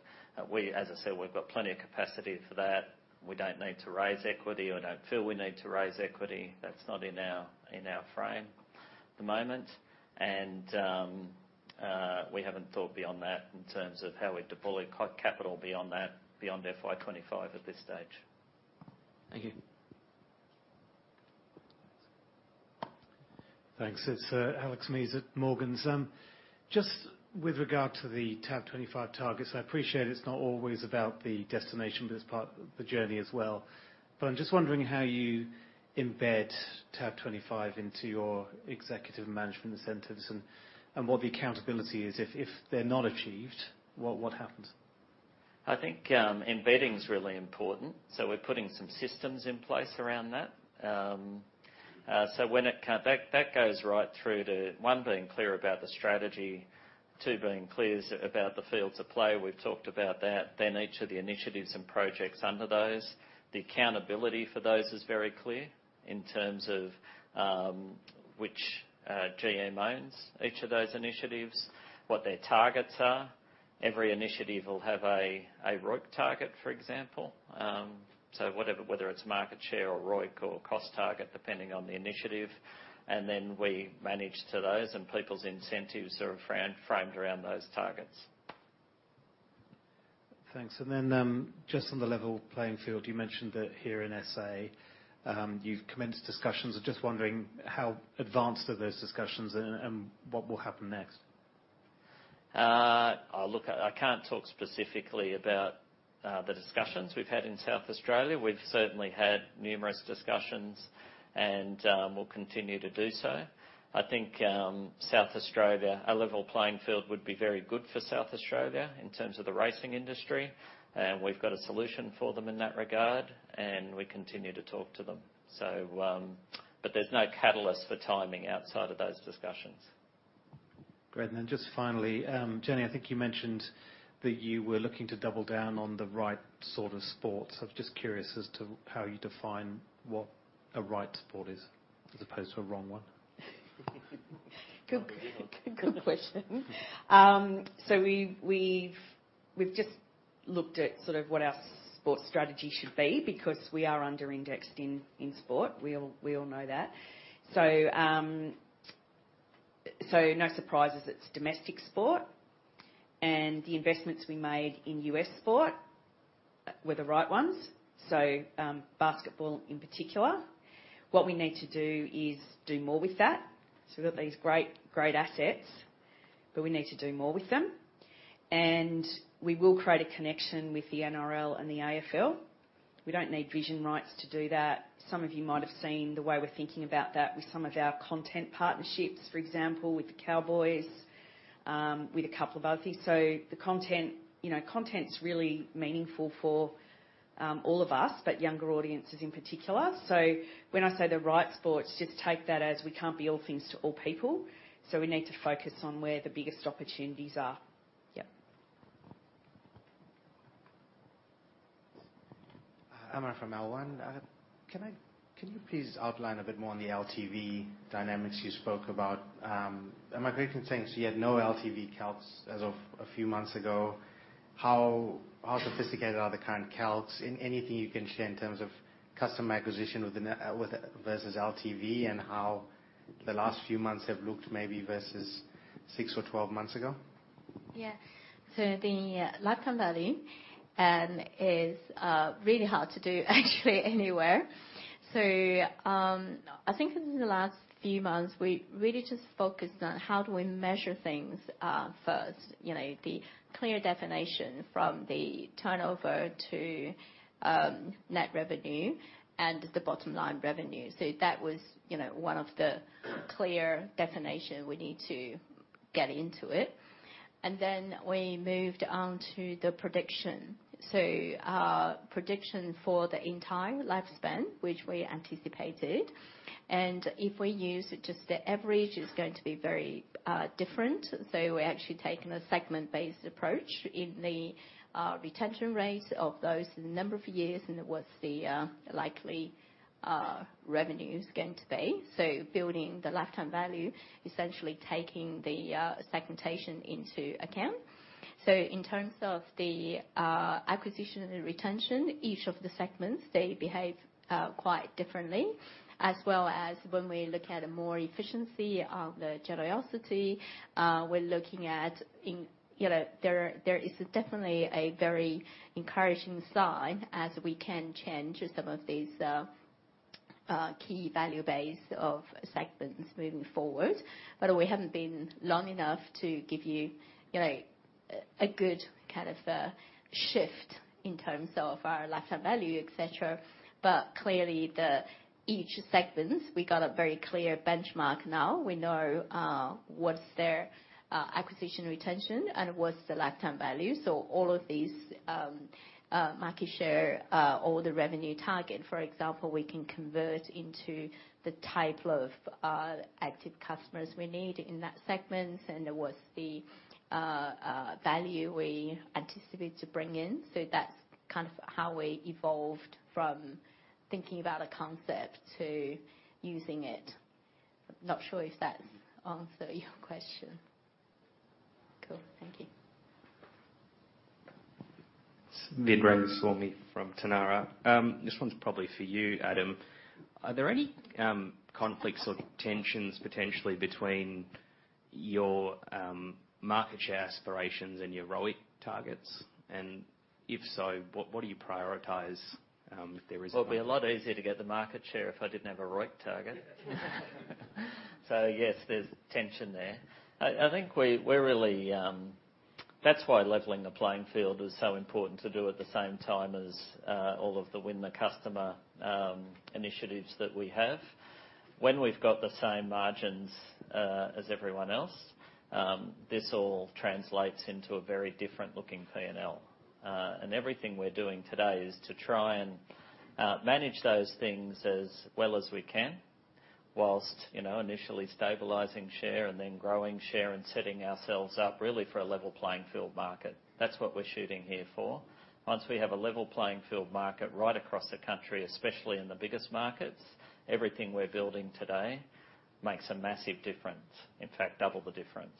we, as I said, we've got plenty of capacity for that. We don't need to raise equity or don't feel we need to raise equity. That's not in our, in our frame at the moment. We haven't thought beyond that in terms of how we deploy capital beyond that, beyond FY 2025 at this stage. Thank you. Thanks. It's Alex Mees at Morgans. Just with regard to the TAB25 targets, I appreciate it's not always about the destination, but it's part of the journey as well. I'm just wondering how you embed TAB25 into your executive management incentives and what the accountability is. If they're not achieved, what happens? I think embedding is really important, so we're putting some systems in place around that. When that goes right through to, 1, being clear about the strategy, 2, being clear about the fields of play. We've talked about that. Each of the initiatives and projects under those, the accountability for those is very clear in terms of which GM owns each of those initiatives, what their targets are. Every initiative will have a ROIC target, for example. Whatever, whether it's market share or ROIC or cost target, depending on the initiative, and then we manage to those, and people's incentives are framed around those targets. Thanks. Just on the level playing field, you mentioned that here in SA, you've commenced discussions. I'm just wondering how advanced are those discussions and what will happen next? Oh, look, I can't talk specifically about the discussions we've had in South Australia. We've certainly had numerous discussions, and we'll continue to do so. I think South Australia, a level playing field would be very good for South Australia in terms of the racing industry, and we've got a solution for them in that regard, and we continue to talk to them. There's no catalyst for timing outside of those discussions. Great. Just finally, Jenni, I think you mentioned that you were looking to double down on the right sort of sports. I'm just curious as to how you define what a right sport is, as opposed to a wrong one? Good question. We've just looked at sort of what our sports strategy should be, because we are under-indexed in sport. We all know that. No surprises, it's domestic sport, and the investments we made in US sport were the right ones, basketball in particular. What we need to do is do more with that. We've got these great assets, but we need to do more with them. We will create a connection with the NRL and the AFL. We don't need vision rights to do that. Some of you might have seen the way we're thinking about that with some of our content partnerships, for example, with the Cowboys, with a couple of other things. The content, you know, content's really meaningful for all of us, but younger audiences in particular. When I say the right sports, just take that as we can't be all things to all people, so we need to focus on where the biggest opportunities are. Yeah. Amar from L1. Can you please outline a bit more on the LTV dynamics you spoke about? Am I correct in saying so you had no LTV calcs as of a few months ago? How sophisticated are the current calcs? Anything you can share in terms of customer acquisition with versus LTV and how the last few months have looked maybe versus 6 or 12 months ago? Yeah. The lifetime value is really hard to do actually anywhere. I think in the last few months, we really just focused on how do we measure things first. You know, the clear definition from the turnover to net revenue and the bottom line revenue. That was, you know, one of the clear definition we need to get into it. Then we moved on to the prediction. Prediction for the entire lifespan, which we anticipated, and if we use just the average, it's going to be very different. We're actually taking a segment-based approach in the retention rate of those number of years and what's the likely revenue is going to be. Building the lifetime value, essentially taking the segmentation into account. In terms of the acquisition and retention, each of the segments, they behave quite differently, as well as when we look at more efficiency of the generosity, you know, there is definitely a very encouraging sign as we can change some of these key value base of segments moving forward. We haven't been long enough to give you know, a good kind of shift in terms of our lifetime value, et cetera. Clearly, each segments, we got a very clear benchmark now. We know what's their acquisition retention and what's the lifetime value. All of these, market share, or the revenue target, for example, we can convert into the type of, active customers we need in that segment and what's the, value we anticipate to bring in. That's kind of how we evolved from thinking about a concept to using it. Not sure if that answer your question? Cool. Thank you. It's Vid Rangaswamy from Tanarra Capital. This one's probably for you, Adam. Are there any conflicts or tensions potentially between your market share aspirations and your ROIC targets? If so, what do you prioritize if there is one? It'll be a lot easier to get the market share if I didn't have a ROIC target. Yes, there's tension there. I think we're really, that's why leveling the playing field is so important to do at the same time as all of the win the customer initiatives that we have. When we've got the same margins as everyone else, this all translates into a very different looking P&L. Everything we're doing today is to try and manage those things as well as we can, whilst, you know, initially stabilizing share and then growing share and setting ourselves up really for a level playing field market. That's what we're shooting here for. Once we have a level playing field market right across the country, especially in the biggest markets, everything we're building today makes a massive difference, in fact, double the difference.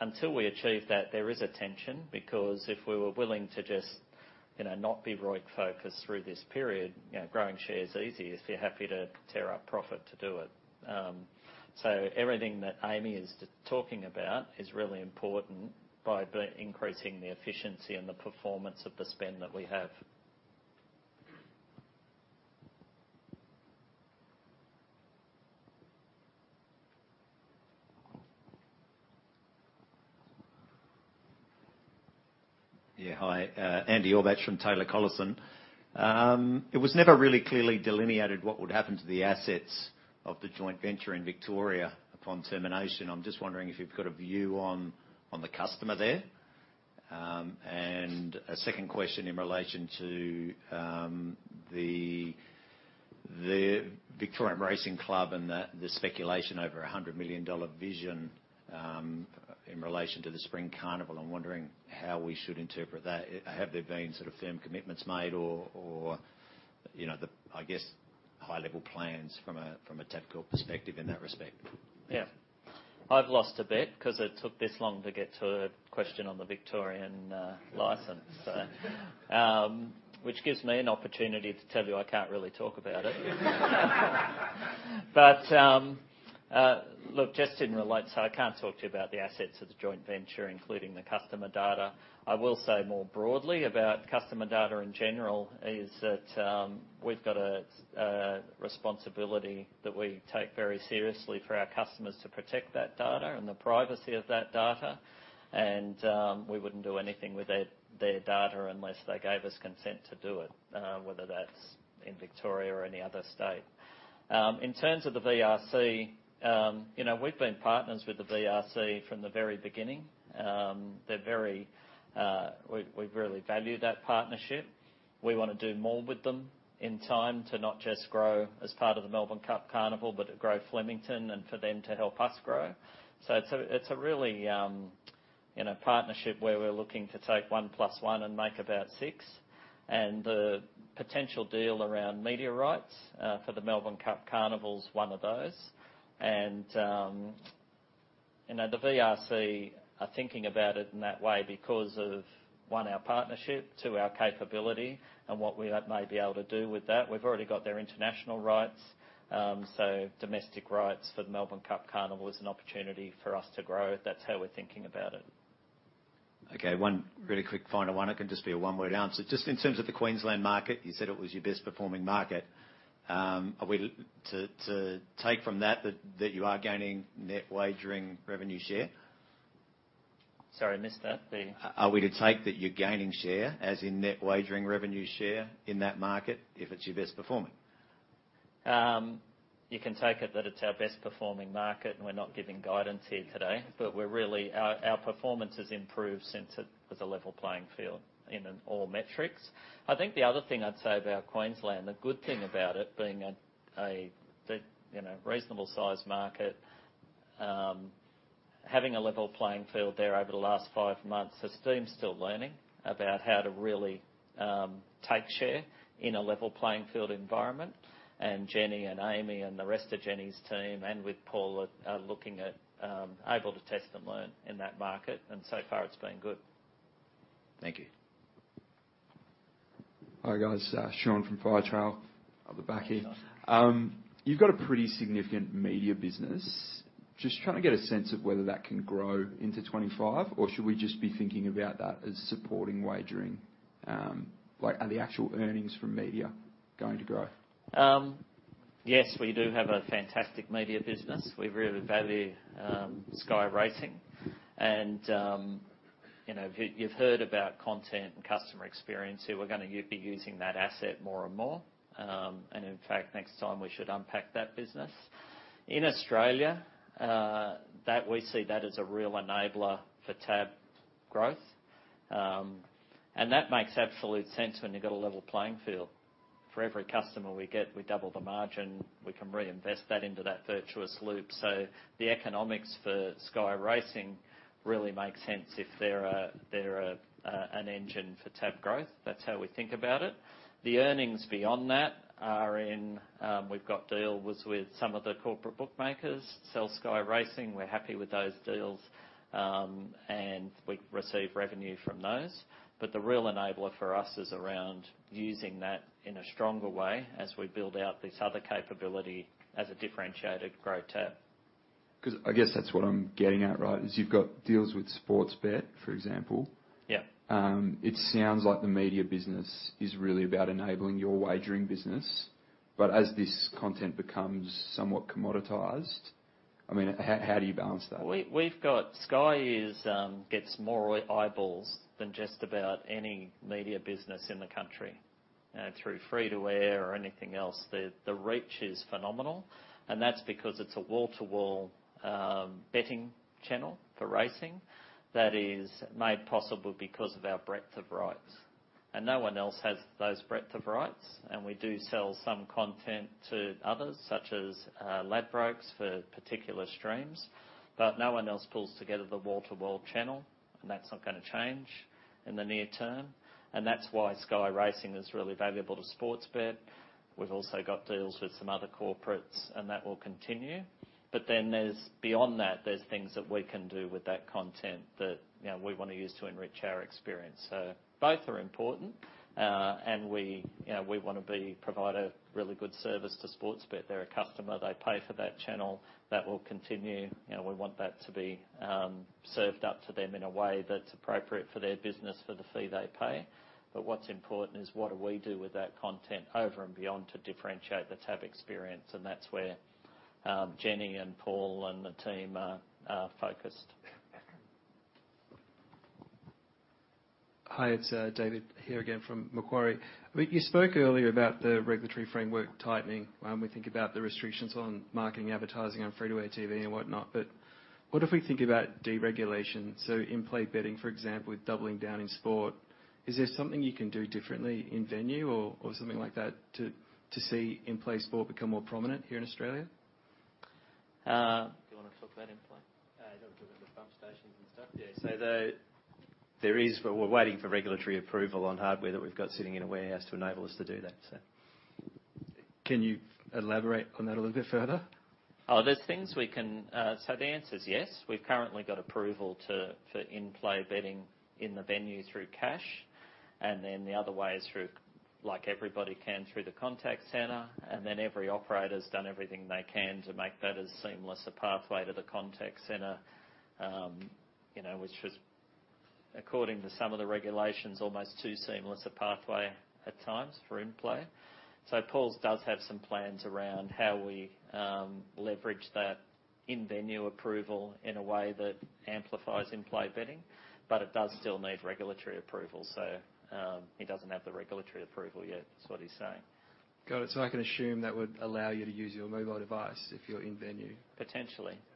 Until we achieve that, there is a tension, because if we were willing to just, you know, not be ROIC focused through this period, you know, growing share is easy if you're happy to tear up profit to do it. Everything that Amy is talking about is really important by increasing the efficiency and the performance of the spend that we have. Yeah. Hi, Andy Orbach from Taylor Collison. It was never really clearly delineated what would happen to the assets of the joint venture in Victoria upon termination. I'm just wondering if you've got a view on the customer there. A second question in relation to the Victoria Racing Club and the speculation over 100 million dollar vision in relation to the Spring Carnival. I'm wondering how we should interpret that. Have there been sort of firm commitments made or, you know, I guess, high-level plans from a technical perspective in that respect? Yeah. I've lost a bet because it took this long to get to a question on the Victorian license, so. Which gives me an opportunity to tell you I can't really talk about it. Look, just in relate, I can't talk to you about the assets of the joint venture, including the customer data. I will say more broadly about customer data in general, is that we've got a responsibility that we take very seriously for our customers to protect that data and the privacy of that data, we wouldn't do anything with their data unless they gave us consent to do it, whether that's in Victoria or any other state. In terms of the VRC, you know, we've been partners with the VRC from the very beginning. They're very, we really value that partnership. We want to do more with them in time to not just grow as part of the Melbourne Cup Carnival, but to grow Flemington and for them to help us grow. It's a really in a partnership where we're looking to take 1 plus 1 and make about 6. The potential deal around media rights for the Melbourne Cup Carnival is one of those. You know, the VRC are thinking about it in that way because of, 1, our partnership, 2, our capability and what we might be able to do with that. We've already got their international rights. Domestic rights for the Melbourne Cup Carnival is an opportunity for us to grow. That's how we're thinking about it. Okay, one really quick final one. It can just be a one-word answer. Just in terms of the Queensland market, you said it was your best performing market. Are we to take from that you are gaining net wagering revenue share? Sorry, I missed that. Are we to take that you're gaining share, as in net wagering revenue share in that market, if it's your best performing? You can take it that it's our best performing market. We're not giving guidance here today. Our performance has improved since it was a level playing field in all metrics. I think the other thing I'd say about Queensland, the good thing about it being a, you know, reasonable size market, having a level playing field there over the last five months, this team's still learning about how to really take share in a level playing field environment. Jenni, and Amy, and the rest of Jenni's team, and with Paul, are looking at able to test and learn in that market, and so far, it's been good. Thank you. Hi, guys, Sean from Firetrail, at the back here. You've got a pretty significant media business. Just trying to get a sense of whether that can grow into 2025, or should we just be thinking about that as supporting wagering? Are the actual earnings from media going to grow? Yes, we do have a fantastic media business. We really value Sky Racing. You know, you've heard about content and customer experience, so we're gonna be using that asset more and more. In fact, next time, we should unpack that business. In Australia, we see that as a real enabler for TAB growth. That makes absolute sense when you've got a level playing field. For every customer we get, we double the margin, we can reinvest that into that virtuous loop. The economics for Sky Racing really makes sense if they're an engine for TAB growth. That's how we think about it. The earnings beyond that are in, we've got deals with some of the corporate bookmakers, sell Sky Racing. We're happy with those deals, we receive revenue from those. The real enabler for us is around using that in a stronger way as we build out this other capability as a differentiated growth TAB. 'Cause I guess that's what I'm getting at, right? Is you've got deals with Sportsbet, for example. Yeah. It sounds like the media business is really about enabling your wagering business. As this content becomes somewhat commoditized, I mean, how do you balance that? We've got Sky is gets more eyeballs than just about any media business in the country. Through free to air or anything else, the reach is phenomenal, and that's because it's a wall-to-wall betting channel for racing that is made possible because of our breadth of rights, and no one else has those breadth of rights. We do sell some content to others, such as Ladbrokes, for particular streams. No one else pulls together the wall-to-wall channel, that's not gonna change in the near term. That's why Sky Racing is really valuable to Sportsbet. We've also got deals with some other corporates, that will continue. Beyond that, there's things that we can do with that content that, you know, we wanna use to enrich our experience. Both are important, and we, you know, we wanna provide a really good service to Sportsbet. They're a customer, they pay for that channel. That will continue. You know, we want that to be served up to them in a way that's appropriate for their business, for the fee they pay. What's important is, what do we do with that content over and beyond to differentiate the TAB experience? That's where Jenni, and Paul, and the team are focused. Hi, it's David here again from Macquarie. You spoke earlier about the regulatory framework tightening. We think about the restrictions on marketing, advertising on free-to-air TV and whatnot, but what if we think about deregulation? In-play betting, for example, with doubling down in sport, is there something you can do differently in venue or something like that, to see in-play sport become more prominent here in Australia? Do you wanna talk about in-play? Talk about the pump stations and stuff. There is, but we're waiting for regulatory approval on hardware that we've got sitting in a warehouse to enable us to do that. Can you elaborate on that a little bit further? There's things we can. The answer is yes. We've currently got approval to, for in-play betting in the venue through cash. The other way is through, like everybody can, through the contact center. Every operator's done everything they can to make that as seamless a pathway to the contact center, you know, which is, according to some of the regulations, almost too seamless a pathway at times for in-play. Paul does have some plans around how we leverage that in-venue approval in a way that amplifies in-play betting, but it does still need regulatory approval. He doesn't have the regulatory approval yet. That's what he's saying. Got it. I can assume that would allow you to use your mobile device if you're in venue? Potentially. Yeah. Thank you all for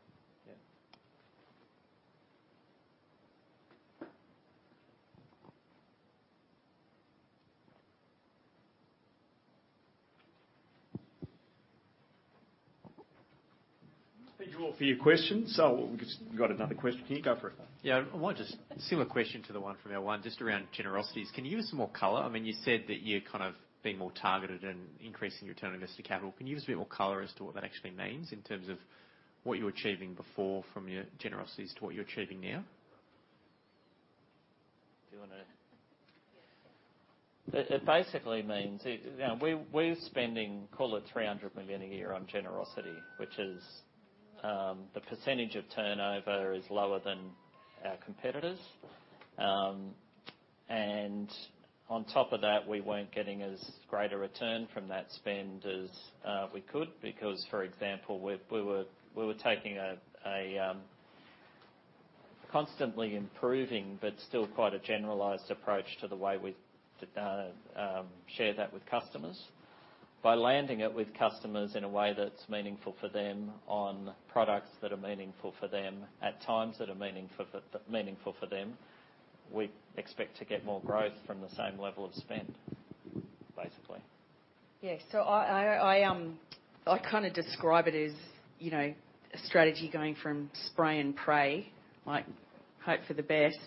your questions. We've just got another question. Can you go for it? Yeah, I want just a similar question to the one from everyone, just around generosities. Can you give us some more color? I mean, you said that you're kind of being more targeted and increasing your return on invested capital. Can you give us a bit more color as to what that actually means in terms of what you were achieving before from your generosities to what you're achieving now? Do you wanna- Yes. It basically means. You know, we're spending, call it 300 million a year on generosity, which is the percentage of turnover is lower than our competitors. On top of that, we weren't getting as great a return from that spend as we could, because, for example, we were taking a constantly improving but still quite a generalized approach to the way we've share that with customers. By landing it with customers in a way that's meaningful for them on products that are meaningful for them, at times that are meaning for them, we expect to get more growth from the same level of spend, basically. Yes. I describe it as, you know, a strategy going from spray and pray, like, hope for the best,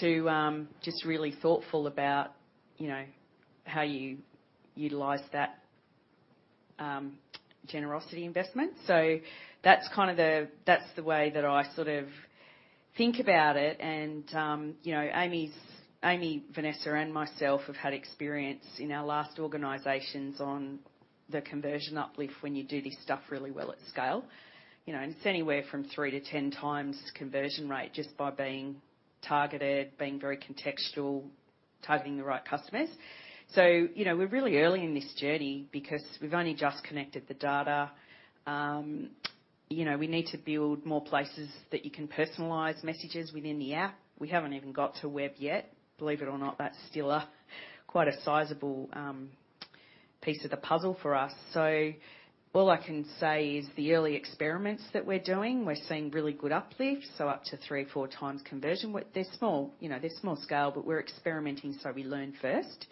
to just really thoughtful about, you know, how you utilize that generosity investment. That's the way that I sort of think about it. You know, Amy Shi-Nash, Vanessa, and myself have had experience in our last organizations on the conversion uplift when you do this stuff really well at scale. You know, it's anywhere from 3 to 10 times conversion rate, just by being targeted, being very contextual, targeting the right customers. You know, we're really early in this journey because we've only just connected the data. You know, we need to build more places that you can personalize messages within the app. We haven't even got to web yet. Believe it or not, that's still a, quite a sizable piece of the puzzle for us. All I can say is the early experiments that we're doing, we're seeing really good uplift, so up to 3 or 4 times conversion. They're small, you know, they're small scale, we're experimenting, we learn first.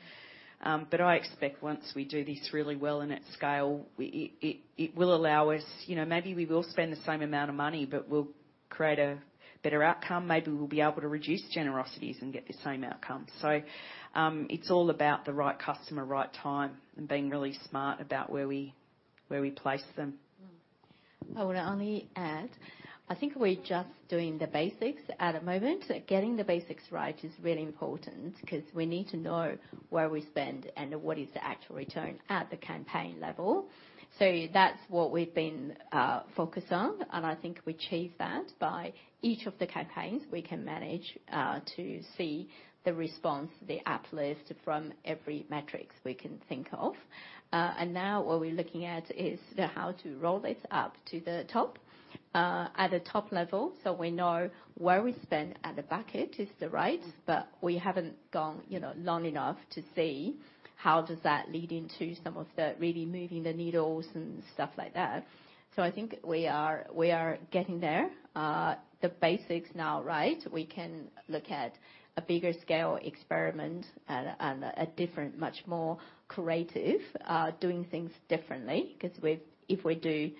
I expect once we do this really well and at scale, it will allow us. You know, maybe we will spend the same amount of money, we'll create a better outcome. Maybe we'll be able to reduce generosities and get the same outcome. It's all about the right customer, right time, and being really smart about where we place them. I would only add, I think we're just doing the basics at the moment. Getting the basics right is really important because we need to know where we spend and what is the actual return at the campaign level. That's what we've been focused on, and I think we achieve that by each of the campaigns we can manage to see the response, the uplift from every metrics we can think of. Now, what we're looking at is how to roll it up to the top at the top level, so we know where we spend at the bucket is the right, but we haven't gone, you know, long enough to see how does that lead into some of the really moving the needles and stuff like that. I think we are, we are getting there. The basics now, right? We can look at a bigger scale experiment and a different, much more creative, doing things differently, because if we do,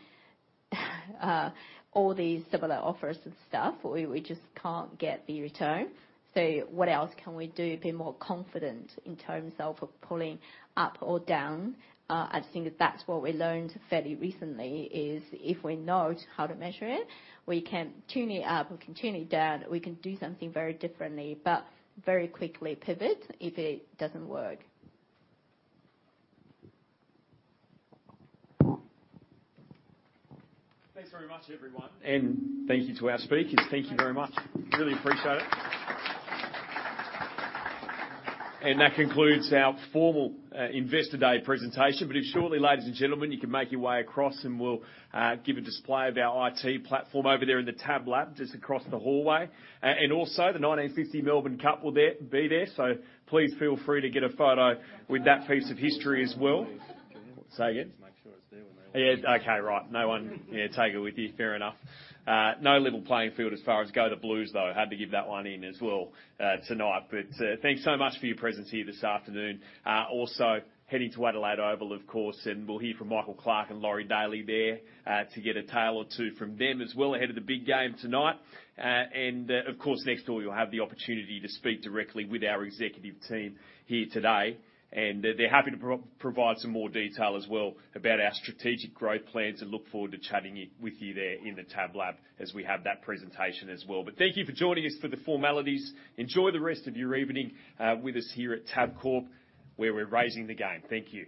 all these similar offers and stuff, we just can't get the return. What else can we do to be more confident in terms of pulling up or down? I think that's what we learned fairly recently, is if we know how to measure it, we can tune it up, we can tune it down, we can do something very differently, but very quickly pivot if it doesn't work. Thanks very much, everyone, and thank you to our speakers. Thank you very much. Really appreciate it. That concludes our formal Investor Day presentation. Shortly, ladies and gentlemen, you can make your way across, and we'll give a display of our IT platform over there in the TAB Lab, just across the hallway. Also, the 1950 Melbourne Cup will be there, so please feel free to get a photo with that piece of history as well. Just make sure it's there when- Yeah. Okay, right. No one... Yeah, take it with you. Fair enough. No level playing field as far as go the blues, though. Had to give that one in as well tonight. Thanks so much for your presence here this afternoon. Also, heading to Adelaide Oval, of course, and we'll hear from Michael Clarke and Laurie Daley there to get a tale or two from them as well, ahead of the big game tonight. Of course, next door, you'll have the opportunity to speak directly with our executive team here today, and they're happy to provide some more detail as well about our strategic growth plans and look forward to chatting with you there in the TAB Lab as we have that presentation as well. Thank you for joining us for the formalities. Enjoy the rest of your evening, with us here at Tabcorp, where we're raising the game. Thank you.